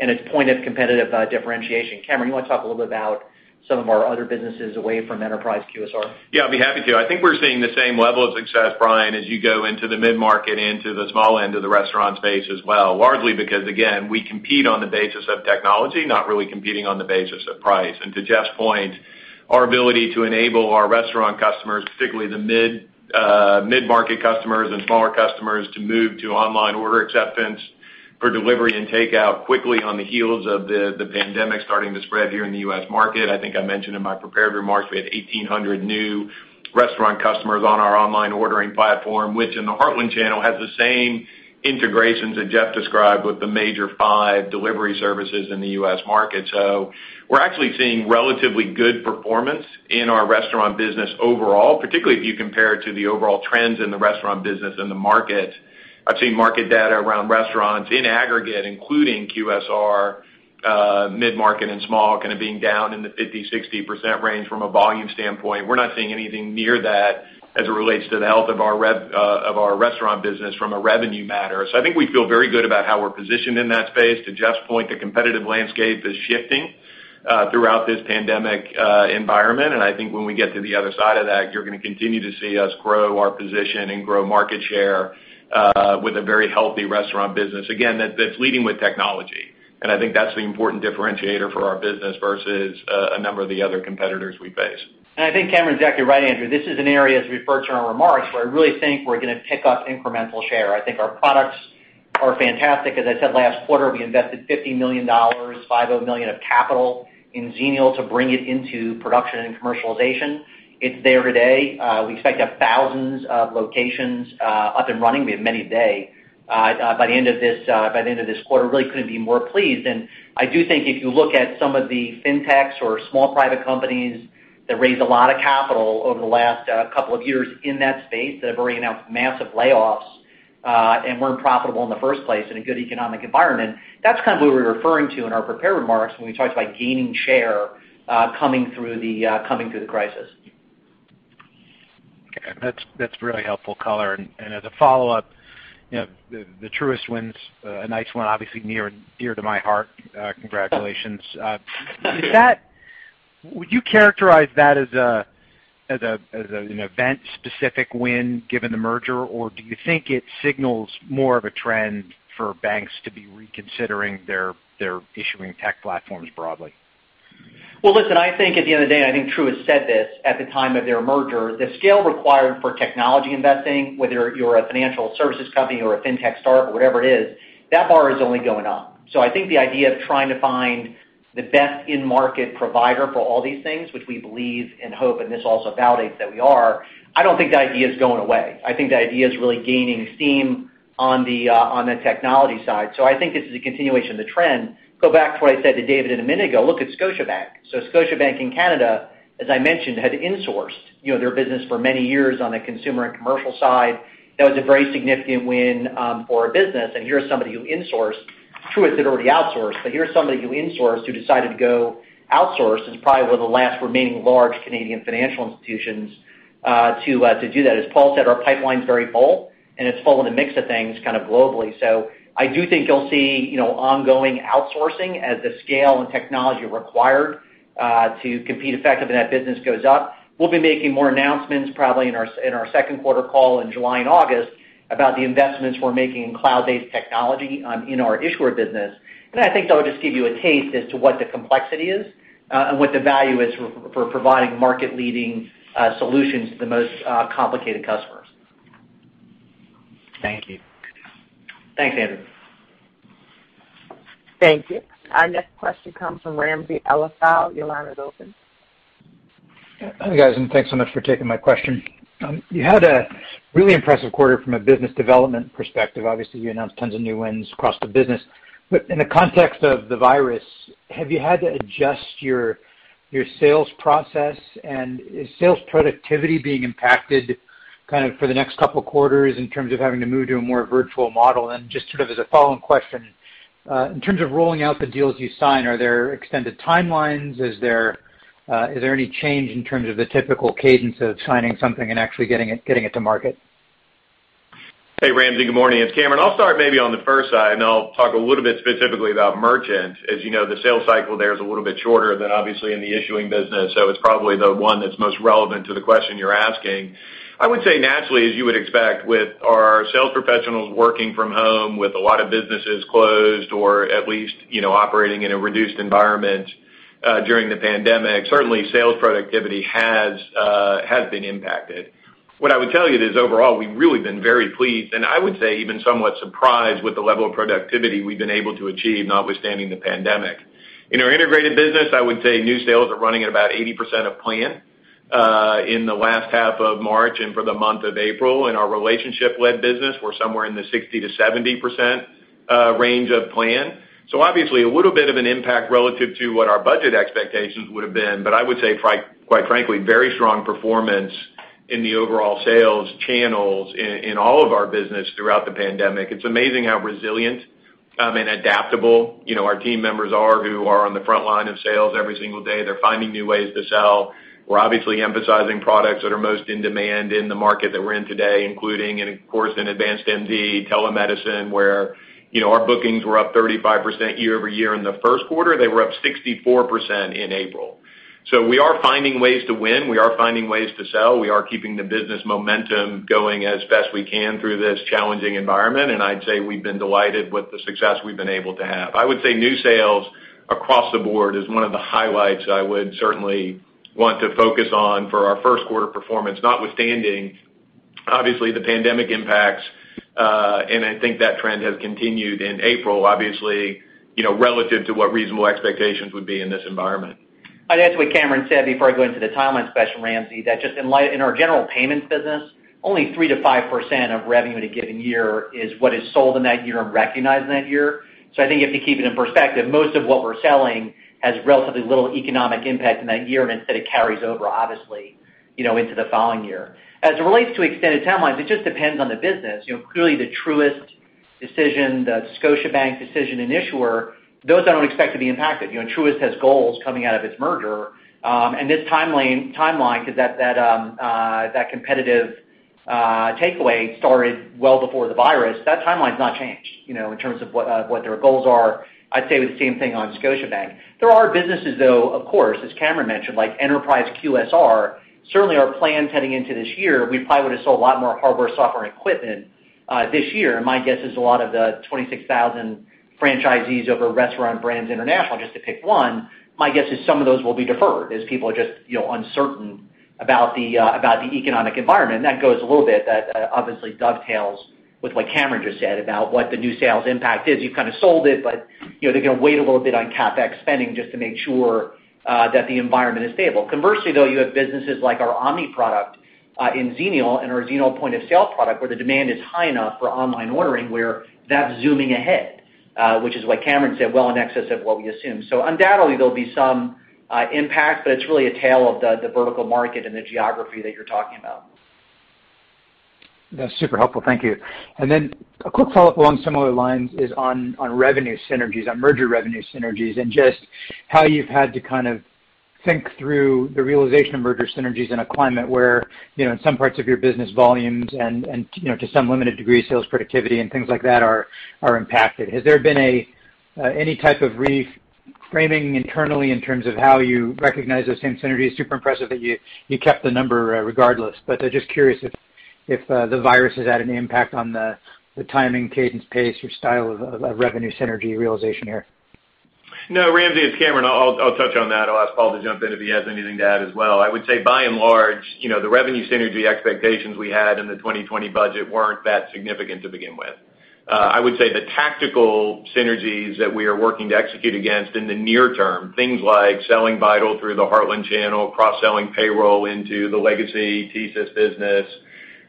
and its point of competitive differentiation. Cameron, you want to talk a little bit about some of our other businesses away from enterprise QSR? Yeah, I'd be happy to. I think we're seeing the same level of success, Bryan, as you go into the mid-market and to the small end of the restaurant space as well. Largely because, again, we compete on the basis of technology, not really competing on the basis of price. To Jeff's point, our ability to enable our restaurant customers, particularly the mid-market customers and smaller customers, to move to online order acceptance for delivery and takeout quickly on the heels of the pandemic starting to spread here in the U.S. market. I think I mentioned in my prepared remarks, we had 1,800 new restaurant customers on our online ordering platform, which in the Heartland channel has the same integrations that Jeff described with the major five delivery services in the U.S. market. We're actually seeing relatively good performance in our restaurant business overall, particularly if you compare it to the overall trends in the restaurant business in the market. I've seen market data around restaurants in aggregate, including QSR, mid-market and small, kind of being down in the 50%-60% range from a volume standpoint. We're not seeing anything near that as it relates to the health of our restaurant business from a revenue matter. I think we feel very good about how we're positioned in that space. To Jeff's point, the competitive landscape is shifting throughout this pandemic environment. I think when we get to the other side of that, you're going to continue to see us grow our position and grow market share with a very healthy restaurant business. That's leading with technology, and I think that's the important differentiator for our business versus a number of the other competitors we face. I think Cameron's exactly right, Andrew. This is an area, as we referred to in our remarks, where I really think we're going to pick up incremental share. I think our products are fantastic. As I said last quarter, we invested $50 million of capital in Xenial to bring it into production and commercialization. It's there today. We expect to have thousands of locations up and running. We have many today. By the end of this quarter, really couldn't be more pleased. I do think if you look at some of the fintechs or small private companies that raised a lot of capital over the last couple of years in that space that have already announced massive layoffs and weren't profitable in the first place in a good economic environment, that's kind of what we were referring to in our prepared remarks when we talked about gaining share coming through the crisis. Okay. That's really helpful color. As a follow-up, the Truist win's a nice one, obviously near and dear to my heart. Congratulations. Would you characterize that as an event specific win given the merger, or do you think it signals more of a trend for banks to be reconsidering their issuing tech platforms broadly? Well, listen, I think at the end of the day, I think Truist said this at the time of their merger, the scale required for technology investing, whether you're a financial services company or a fintech startup or whatever it is, that bar is only going up. I think the idea of trying to find the best in-market provider for all these things, which we believe and hope, and this also validates that we are, I don't think that idea is going away. I think the idea is really gaining steam on the technology side. I think this is a continuation of the trend. Go back to what I said to David a minute ago. Look at Scotiabank. Scotiabank in Canada, as I mentioned, had insourced their business for many years on the consumer and commercial side. That was a very significant win for our business, and here's somebody who insourced. Truist had already outsourced, but here's somebody who insourced, who decided to go outsource. It's probably one of the last remaining large Canadian financial institutions to do that. As Paul said, our pipeline's very full, and it's full in a mix of things globally. I do think you'll see ongoing outsourcing as the scale and technology required to compete effectively in that business goes up. We'll be making more announcements probably in our second quarter call in July and August about the investments we're making in cloud-based technology in our issuer business. I think that'll just give you a taste as to what the complexity is and what the value is for providing market-leading solutions to the most complicated customers. Thank you. Thanks, Andrew. Thank you. Our next question comes from Ramsey El-Assal. Your line is open. Hi, guys, thanks so much for taking my question. You had a really impressive quarter from a business development perspective. Obviously, you announced tons of new wins across the business. In the context of the virus, have you had to adjust your sales process and is sales productivity being impacted for the next couple of quarters in terms of having to move to a more virtual model? Just sort of as a follow-on question, in terms of rolling out the deals you sign, are there extended timelines? Is there any change in terms of the typical cadence of signing something and actually getting it to market? Hey, Ramsey, good morning. It's Cameron. I'll start maybe on the first side, and then I'll talk a little bit specifically about merchant. As you know, the sales cycle there is a little bit shorter than obviously in the issuing business. It's probably the one that's most relevant to the question you're asking. I would say naturally, as you would expect with our sales professionals working from home with a lot of businesses closed or at least operating in a reduced environment during the pandemic, certainly sales productivity has been impacted. What I would tell you is overall, we've really been very pleased, and I would say even somewhat surprised with the level of productivity we've been able to achieve notwithstanding the pandemic. In our integrated business, I would say new sales are running at about 80% of plan in the last half of March and for the month of April. In our relationship-led business, we're somewhere in the 60%-70% range of plan. Obviously, a little bit of an impact relative to what our budget expectations would have been, but I would say quite frankly, very strong performance in the overall sales channels in all of our business throughout the pandemic. It's amazing how resilient and adaptable our team members are who are on the front line of sales every single day. They're finding new ways to sell. We're obviously emphasizing products that are most in demand in the market that we're in today, including and of course, in AdvancedMD telemedicine, where our bookings were up 35% year-over-year in the first quarter. They were up 64% in April. We are finding ways to win. We are finding ways to sell. We are keeping the business momentum going as best we can through this challenging environment, and I'd say we've been delighted with the success we've been able to have. I would say new sales across the board is one of the highlights I would certainly want to focus on for our first quarter performance, notwithstanding obviously the pandemic impacts. I think that trend has continued in April, obviously, relative to what reasonable expectations would be in this environment. I'd add to what Cameron said before I go into the timeline question, Ramsey, that just in our general payments business, only 3%-5% of revenue in a given year is what is sold in that year and recognized in that year. I think if you keep it in perspective, most of what we're selling has relatively little economic impact in that year, and instead it carries over, obviously, into the following year. As it relates to extended timelines, it just depends on the business. Clearly the Truist decision, the Scotiabank decision, and issuer, those I don't expect to be impacted. Truist has goals coming out of its merger, and this timeline because that competitive takeaway started well before the virus. That timeline's not changed in terms of what their goals are. I'd say the same thing on Scotiabank. There are businesses, though, of course, as Cameron mentioned, like Enterprise QSR. Certainly our plans heading into this year, we probably would have sold a lot more hardware, software, and equipment this year. My guess is a lot of the 26,000 franchisees over Restaurant Brands International, just to pick one, my guess is some of those will be deferred as people are just uncertain about the economic environment. That goes a little bit, that obviously dovetails with what Cameron just said about what the new sales impact is. You've kind of sold it, but they're going to wait a little bit on CapEx spending just to make sure that the environment is stable. Conversely, though, you have businesses like our omni product in Xenial and our Xenial point-of-sale product where the demand is high enough for online ordering where that's zooming ahead which is why Cameron said well in excess of what we assume. Undoubtedly there'll be some impact, but it's really a tale of the vertical market and the geography that you're talking about. That's super helpful. Thank you. A quick follow-up along similar lines is on revenue synergies, on merger revenue synergies, and just how you've had to think through the realization of merger synergies in a climate where in some parts of your business volumes and to some limited degree, sales productivity and things like that are impacted. Has there been any type of reframing internally in terms of how you recognize those same synergies? Super impressive that you kept the number regardless. Just curious if the virus has had an impact on the timing, cadence, pace, or style of revenue synergy realization here. No, Ramsey, it's Cameron. I'll touch on that. I'll ask Paul to jump in if he has anything to add as well. I would say by and large, the revenue synergy expectations we had in the 2020 budget weren't that significant to begin with. I would say the tactical synergies that we are working to execute against in the near term, things like selling Vital through the Heartland channel, cross-selling payroll into the legacy TSYS business,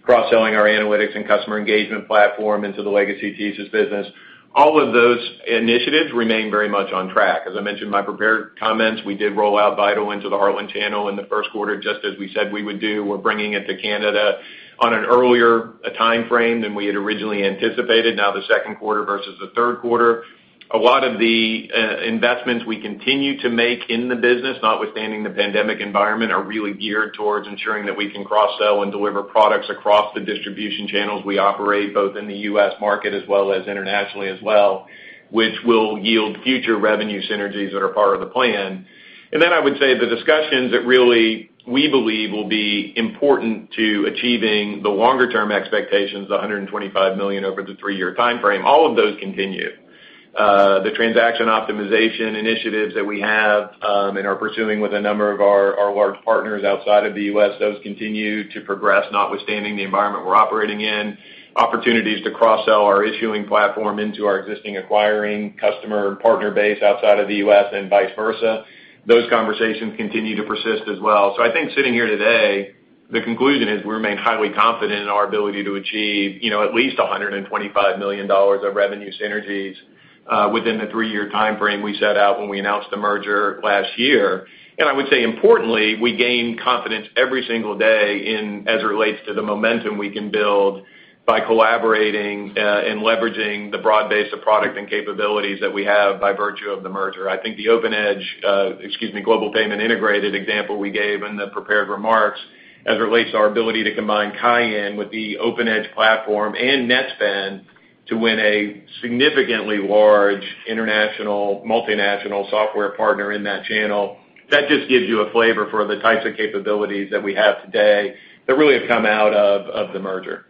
cross-selling our analytics and customer engagement platform into the legacy TSYS business, all of those initiatives remain very much on track. As I mentioned in my prepared comments, we did roll out Vital into the Heartland channel in the first quarter, just as we said we would do. We're bringing it to Canada on an earlier timeframe than we had originally anticipated. The second quarter versus the third quarter. A lot of the investments we continue to make in the business, notwithstanding the pandemic environment, are really geared towards ensuring that we can cross-sell and deliver products across the distribution channels we operate, both in the U.S. market as well as internationally as well, which will yield future revenue synergies that are part of the plan. I would say the discussions that really, we believe, will be important to achieving the longer-term expectations, the $125 million over the three-year timeframe, all of those continue. The transaction optimization initiatives that we have and are pursuing with a number of our large partners outside of the U.S., those continue to progress, notwithstanding the environment we're operating in. Opportunities to cross-sell our issuing platform into our existing acquiring customer and partner base outside of the U.S. and vice versa. Those conversations continue to persist as well. I think sitting here today, the conclusion is we remain highly confident in our ability to achieve at least $125 million of revenue synergies within the three-year timeframe we set out when we announced the merger last year. I would say importantly, we gain confidence every single day as it relates to the momentum we can build by collaborating and leveraging the broad base of product and capabilities that we have by virtue of the merger. I think the OpenEdge, excuse me, Global Payments Integrated example we gave in the prepared remarks as it relates to our ability to combine Cayan with the OpenEdge platform and Netspend to win a significantly large international, multinational software partner in that channel. That just gives you a flavor for the types of capabilities that we have today that really have come out of the merger.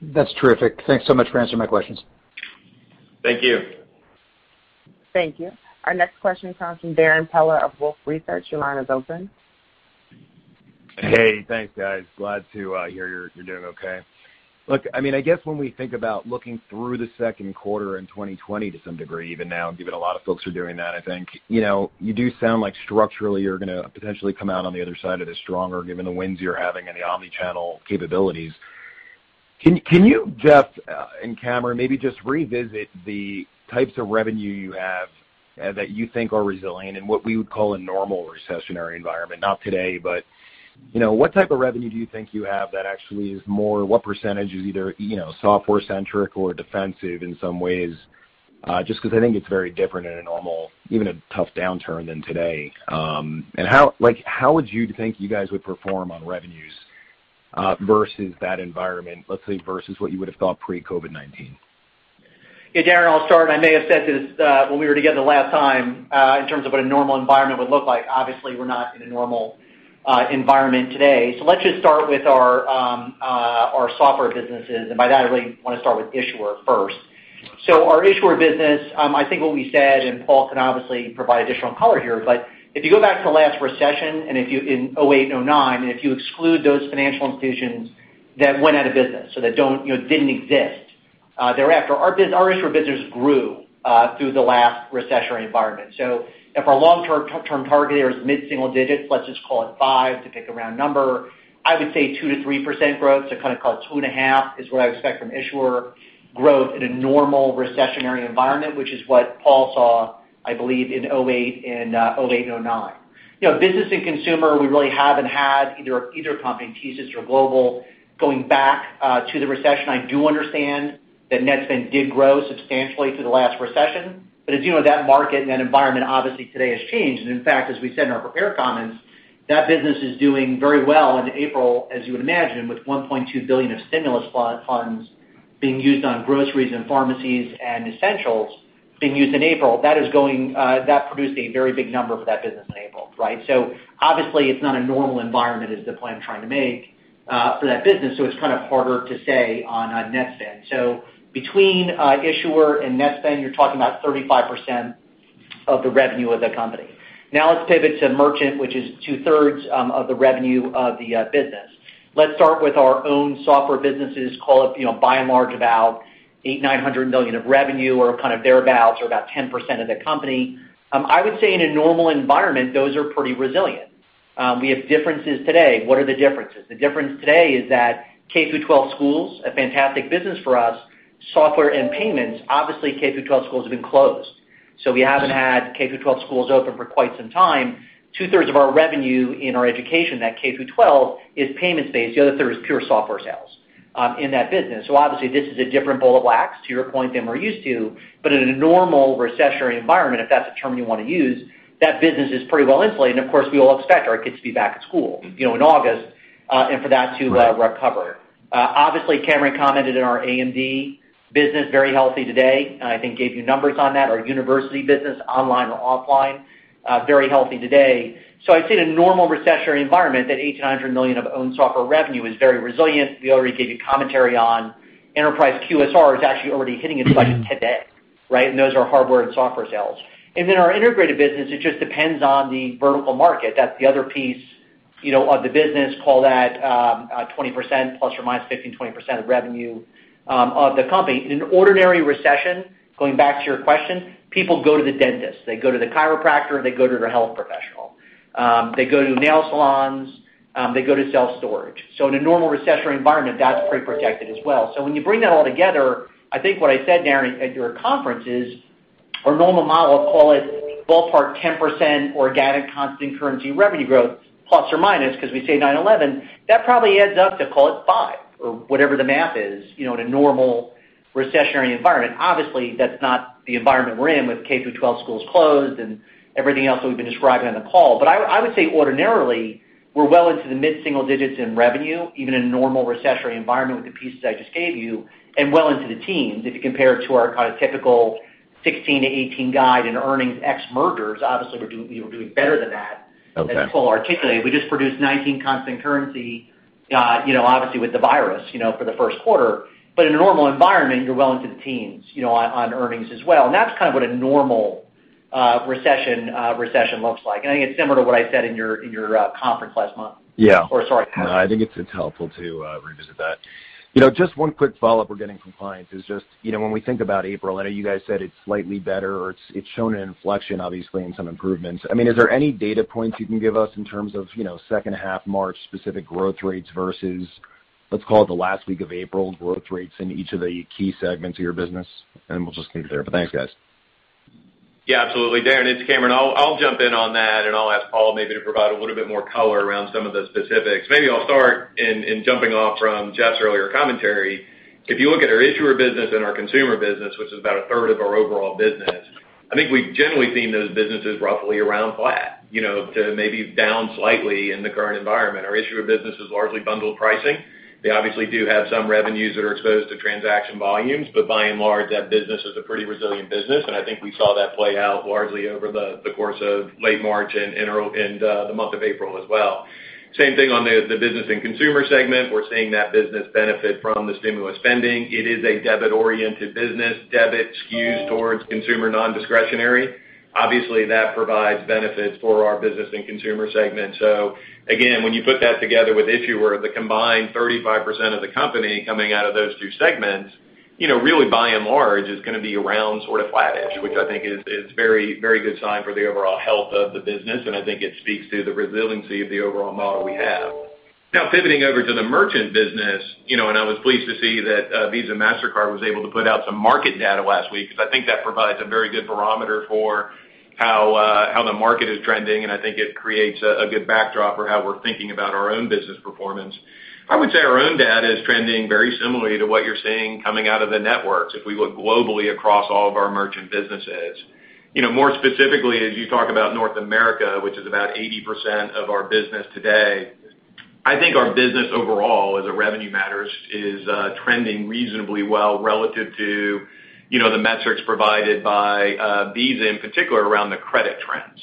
That's terrific. Thanks so much for answering my questions. Thank you. Thank you. Our next question comes from Darrin Peller of Wolfe Research. Your line is open. Hey, thanks guys. Glad to hear you're doing okay. Look, I guess when we think about looking through the second quarter in 2020 to some degree, even now, given a lot of folks are doing that, I think. You do sound like structurally you're going to potentially come out on the other side of this stronger given the wins you're having in the omni-channel capabilities. Can you, Jeff and Cameron, maybe just revisit the types of revenue you have that you think are resilient in what we would call a normal recessionary environment? Not today, but what type of revenue do you think you have that actually is more, what percentage is either software-centric or defensive in some ways? Just because I think it's very different in a normal, even a tough downturn than today. How would you think you guys would perform on revenues versus that environment, let's say, versus what you would have thought pre-COVID-19? Yeah, Darrin, I'll start. I may have said this when we were together last time, in terms of what a normal environment would look like. Obviously, we're not in a normal environment today. Let's just start with our software businesses, and by that, I really want to start with issuer first. Our issuer business, I think what we said, and Paul can obviously provide additional color here, but if you go back to the last recession in 2008 and 2009, and if you exclude those financial institutions that went out of business, so that didn't exist thereafter. Our issuer business grew through the last recessionary environment. If our long-term target there is mid-single digits, let's just call it five to pick a round number. I would say 2%-3% growth, so kind of call it 2.5% is what I would expect from issuer growth in a normal recessionary environment, which is what Paul saw, I believe, in 2008 and 2009. Business and consumer, we really haven't had either company, TSYS or Global, going back to the recession. I do understand that Netspend did grow substantially through the last recession. As you know, that market and that environment obviously today has changed. In fact, as we said in our prepared comments, that business is doing very well in April, as you would imagine, with $1.2 billion of stimulus funds being used on groceries and pharmacies and essentials being used in April. That produced a very big number for that business in April, right? Obviously, it's not a normal environment is the point I'm trying to make for that business. It's kind of harder to say on Netspend. Between issuer and Netspend, you're talking about 35% of the revenue of the company. Let's pivot to merchant, which is 2/3 of the revenue of the business. Let's start with our own software businesses, call it by and large, about $800 million-$900 million of revenue or kind of thereabouts or about 10% of the company. I would say in a normal environment, those are pretty resilient. We have differences today. What are the differences? The difference today is that K-12 schools, a fantastic business for us, software and payments. Obviously, K-12 schools have been closed. We haven't had K-12 schools open for quite some time. 2/3 of our revenue in our education at K-12 is payment-based. The other third is pure software sales in that business. Obviously, this is a different ball of wax, to your point, than we're used to. In a normal recessionary environment, if that's a term you want to use, that business is pretty well insulated. Of course, we all expect our kids to be back at school in August and for that to recover. Obviously, Cameron commented on our AdvancedMD business, very healthy today, and I think gave you numbers on that. Our university business, online or offline very healthy today. I'd say in a normal recessionary environment, that $800 million-$900 million of owned software revenue is very resilient. We already gave you commentary on enterprise QSR is actually already hitting its budget today, right? Those are hardware and software sales. Our integrated business, it just depends on the vertical market. That's the other piece of the business. Call that 20%± 15%-20% of revenue of the company. In an ordinary recession, going back to your question, people go to the dentist, they go to the chiropractor, they go to their health professional. They go to nail salons. They go to self-storage. In a normal recessionary environment, that's pretty protected as well. When you bring that all together, I think what I said, Darrin, at your conference is our normal model, call it ballpark 10% organic constant currency revenue growth, plus or minus, because we say 9-11. That probably adds up to, call it, five or whatever the math is in a normal recessionary environment. Obviously, that's not the environment we're in with K-12 schools closed and everything else that we've been describing on the call. I would say ordinarily, we're well into the mid-single digits in revenue, even in a normal recessionary environment with the pieces I just gave you, and well into the teens. If you compare it to our typical 16-18 guide in earnings ex mergers, obviously we're doing better than that- Okay. As Paul articulated. We just produced 19% constant currency, obviously with the virus, for the first quarter. In a normal environment, you're well into the teens on earnings as well. That's what a normal recession looks like. I think it's similar to what I said in your conference last month. Yeah. Or, sorry- No, I think it's helpful to revisit that. Just one quick follow-up we're getting from clients is just, when we think about April, I know you guys said it's slightly better or it's shown an inflection, obviously, and some improvements. Is there any data points you can give us in terms of, second half March specific growth rates versus, let's call it the last week of April growth rates in each of the key segments of your business? We'll just leave it there. Thanks, guys. Yeah, absolutely. Darrin, it's Cameron. I'll jump in on that, and I'll ask Paul maybe to provide a little bit more color around some of the specifics. Maybe I'll start in jumping off from Jeff's earlier commentary. If you look at our issuer business and our consumer business, which is about a third of our overall business, I think we've generally seen those businesses roughly around flat, to maybe down slightly in the current environment. Our issuer business is largely bundled pricing. They obviously do have some revenues that are exposed to transaction volumes, but by and large, that business is a pretty resilient business, and I think we saw that play out largely over the course of late March and the month of April as well. Same thing on the business and consumer segment. We're seeing that business benefit from the stimulus spending. It is a debit-oriented business. Debit skews towards consumer non-discretionary. Obviously, that provides benefits for our business and consumer segment. Again, when you put that together with Issuer, the combined 35% of the company coming out of those two segments, really by and large, is going to be around sort of flat-ish, which I think is a very good sign for the overall health of the business, and I think it speaks to the resiliency of the overall model we have. Pivoting over to the merchant business, I was pleased to see that Visa, Mastercard was able to put out some market data last week because I think that provides a very good barometer for how the market is trending, and I think it creates a good backdrop for how we're thinking about our own business performance. I would say our own data is trending very similarly to what you're seeing coming out of the networks if we look globally across all of our merchant businesses. More specifically, as you talk about North America, which is about 80% of our business today, I think our business overall, as a revenue matters, is trending reasonably well relative to the metrics provided by Visa, in particular, around the credit trends.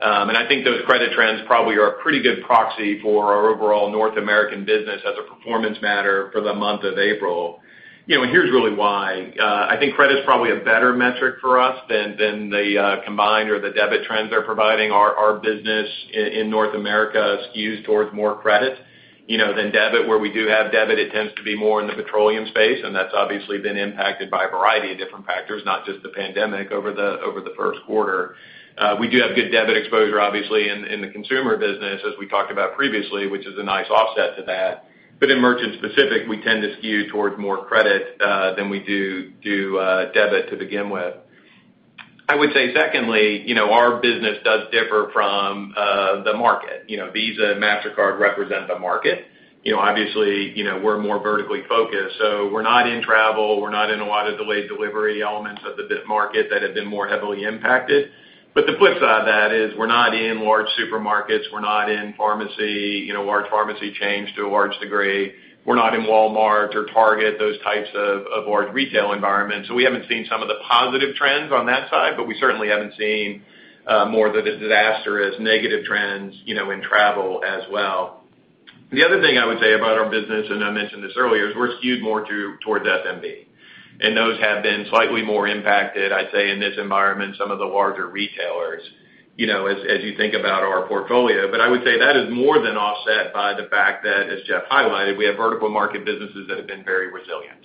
I think those credit trends probably are a pretty good proxy for our overall North American business as a performance matter for the month of April. Here's really why. I think credit's probably a better metric for us than the combined or the debit trends are providing. Our business in North America skews towards more credit than debit. Where we do have debit, it tends to be more in the petroleum space, and that's obviously been impacted by a variety of different factors, not just the pandemic over the first quarter. We do have good debit exposure, obviously, in the consumer business, as we talked about previously, which is a nice offset to that. In merchant-specific, we tend to skew towards more credit than we do debit to begin with. I would say secondly, our business does differ from the market. Visa and Mastercard represent the market. Obviously, we're more vertically focused, so we're not in travel, we're not in a lot of delayed delivery elements of the market that have been more heavily impacted. The flip side of that is we're not in large supermarkets. We're not in large pharmacy chains to a large degree. We're not in Walmart or Target, those types of large retail environments. We haven't seen some of the positive trends on that side, but we certainly haven't seen more of the disastrous negative trends in travel as well. The other thing I would say about our business, and I mentioned this earlier, is we're skewed more towards SMB. Those have been slightly more impacted, I'd say, in this environment, some of the larger retailers, as you think about our portfolio. I would say that is more than offset by the fact that, as Jeff highlighted, we have vertical market businesses that have been very resilient.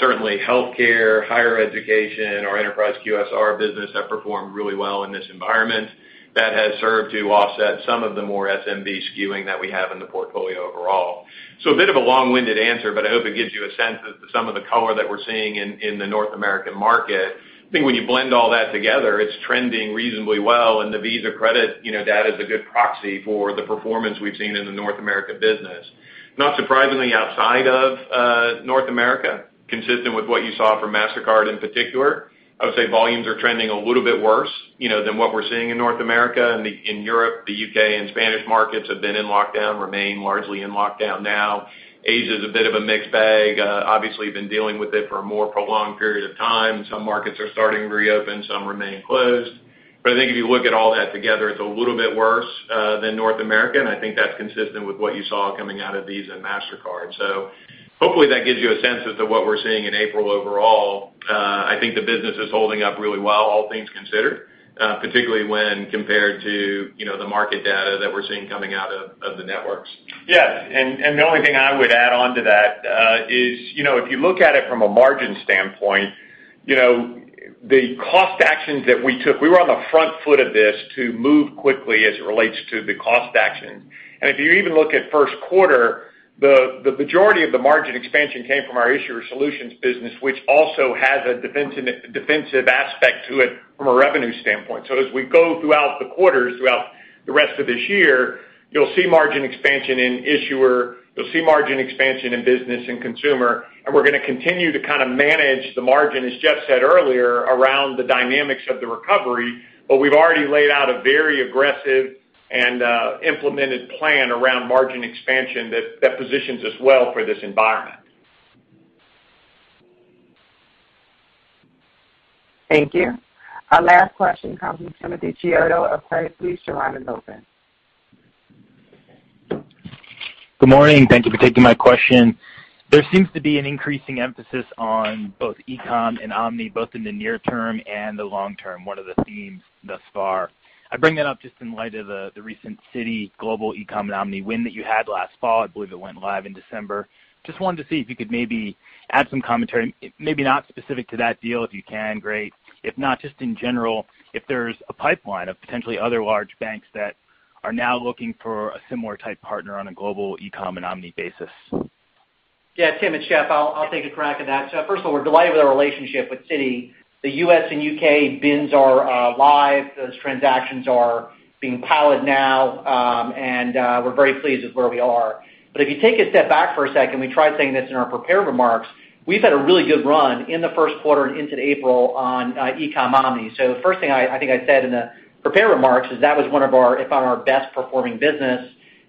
Certainly healthcare, higher education, our enterprise QSR business have performed really well in this environment. That has served to offset some of the more SMB skewing that we have in the portfolio overall. A bit of a long-winded answer, but I hope it gives you a sense of some of the color that we're seeing in the North American market. I think when you blend all that together, it's trending reasonably well, and the Visa credit data is a good proxy for the performance we've seen in the North America business. Not surprisingly, outside of North America, consistent with what you saw from Mastercard in particular, I would say volumes are trending a little bit worse than what we're seeing in North America. In Europe, the U.K. and Spanish markets have been in lockdown, remain largely in lockdown now. Asia's a bit of a mixed bag. Obviously been dealing with it for a more prolonged period of time. Some markets are starting to reopen, some remain closed. I think if you look at all that together, it's a little bit worse than North America, and I think that's consistent with what you saw coming out of Visa and Mastercard. Hopefully that gives you a sense as to what we're seeing in April overall. I think the business is holding up really well, all things considered, particularly when compared to the market data that we're seeing coming out of the networks. Yes. The only thing I would add onto that is, if you look at it from a margin standpoint, the cost actions that we took, we were on the front foot of this to move quickly as it relates to the cost actions. If you even look at first quarter, the majority of the margin expansion came from our issuer solutions business, which also has a defensive aspect to it from a revenue standpoint. As we go throughout the quarters, throughout the rest of this year, you'll see margin expansion in issuer, you'll see margin expansion in business and consumer, and we're going to continue to manage the margin, as Jeff said earlier, around the dynamics of the recovery. We've already laid out a very aggressive and implemented plan around margin expansion that positions us well for this environment. Thank you. Our last question comes from Timothy Chiodo of Credit Suisse. Your line is open. Good morning. Thank you for taking my question. There seems to be an increasing emphasis on both e-com and omni, both in the near term and the long term. What are the themes thus far? I bring that up just in light of the recent Citi Global e-com and omni win that you had last fall. I believe it went live in December. Just wanted to see if you could maybe add some commentary, maybe not specific to that deal if you can, great. If not, just in general, if there's a pipeline of potentially other large banks that are now looking for a similar type partner on a global e-com and omni basis. Yeah, Tim, it's Jeff. I'll take a crack at that. First of all, we're delighted with our relationship with Citi. The U.S. and U.K. bins are live. Those transactions are being piloted now, and we're very pleased with where we are. If you take a step back for a second, we tried saying this in our prepared remarks, we've had a really good run in the first quarter and into April on e-com omni. The first thing I think I said in the prepared remarks is that was one of our, if not our best performing business,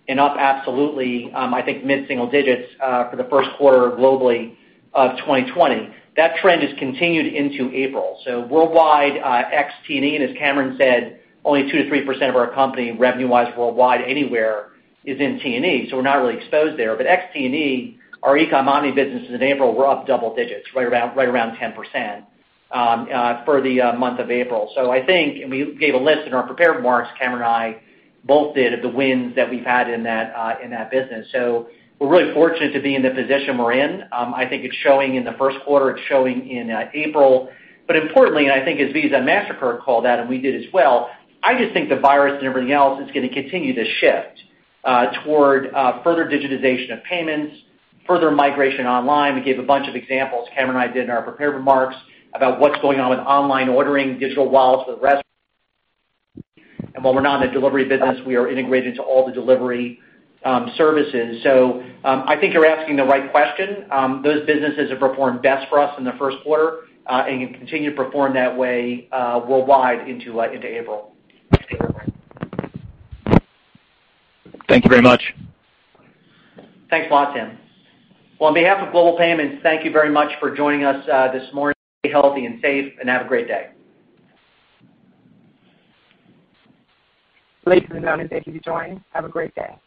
and up absolutely, I think mid-single digits for the first quarter globally of 2020. That trend has continued into April. Worldwide ex T&E, and as Cameron said, only 2%-3% of our company revenue-wise worldwide anywhere is in T&E. We're not really exposed there. Ex T&E, our e-com omni businesses in April were up double digits, right around 10% for the month of April. I think, and we gave a list in our prepared remarks, Cameron and I both did, of the wins that we've had in that business. Importantly, and I think as Visa and Mastercard called out, and we did as well, I just think the virus and everything else is going to continue to shift toward further digitization of payments, further migration online. We gave a bunch of examples, Cameron and I did in our prepared remarks, about what's going on with online ordering, digital wallets with restaurants. While we're not in the delivery business, we are integrated into all the delivery services. I think you're asking the right question. Those businesses have performed best for us in the first quarter and continue to perform that way worldwide into April. Thank you very much. Thanks a lot, Tim. Well, on behalf of Global Payments, thank you very much for joining us this morning. Stay healthy and safe, and have a great day. Ladies and gentlemen, thank you for joining. Have a great day.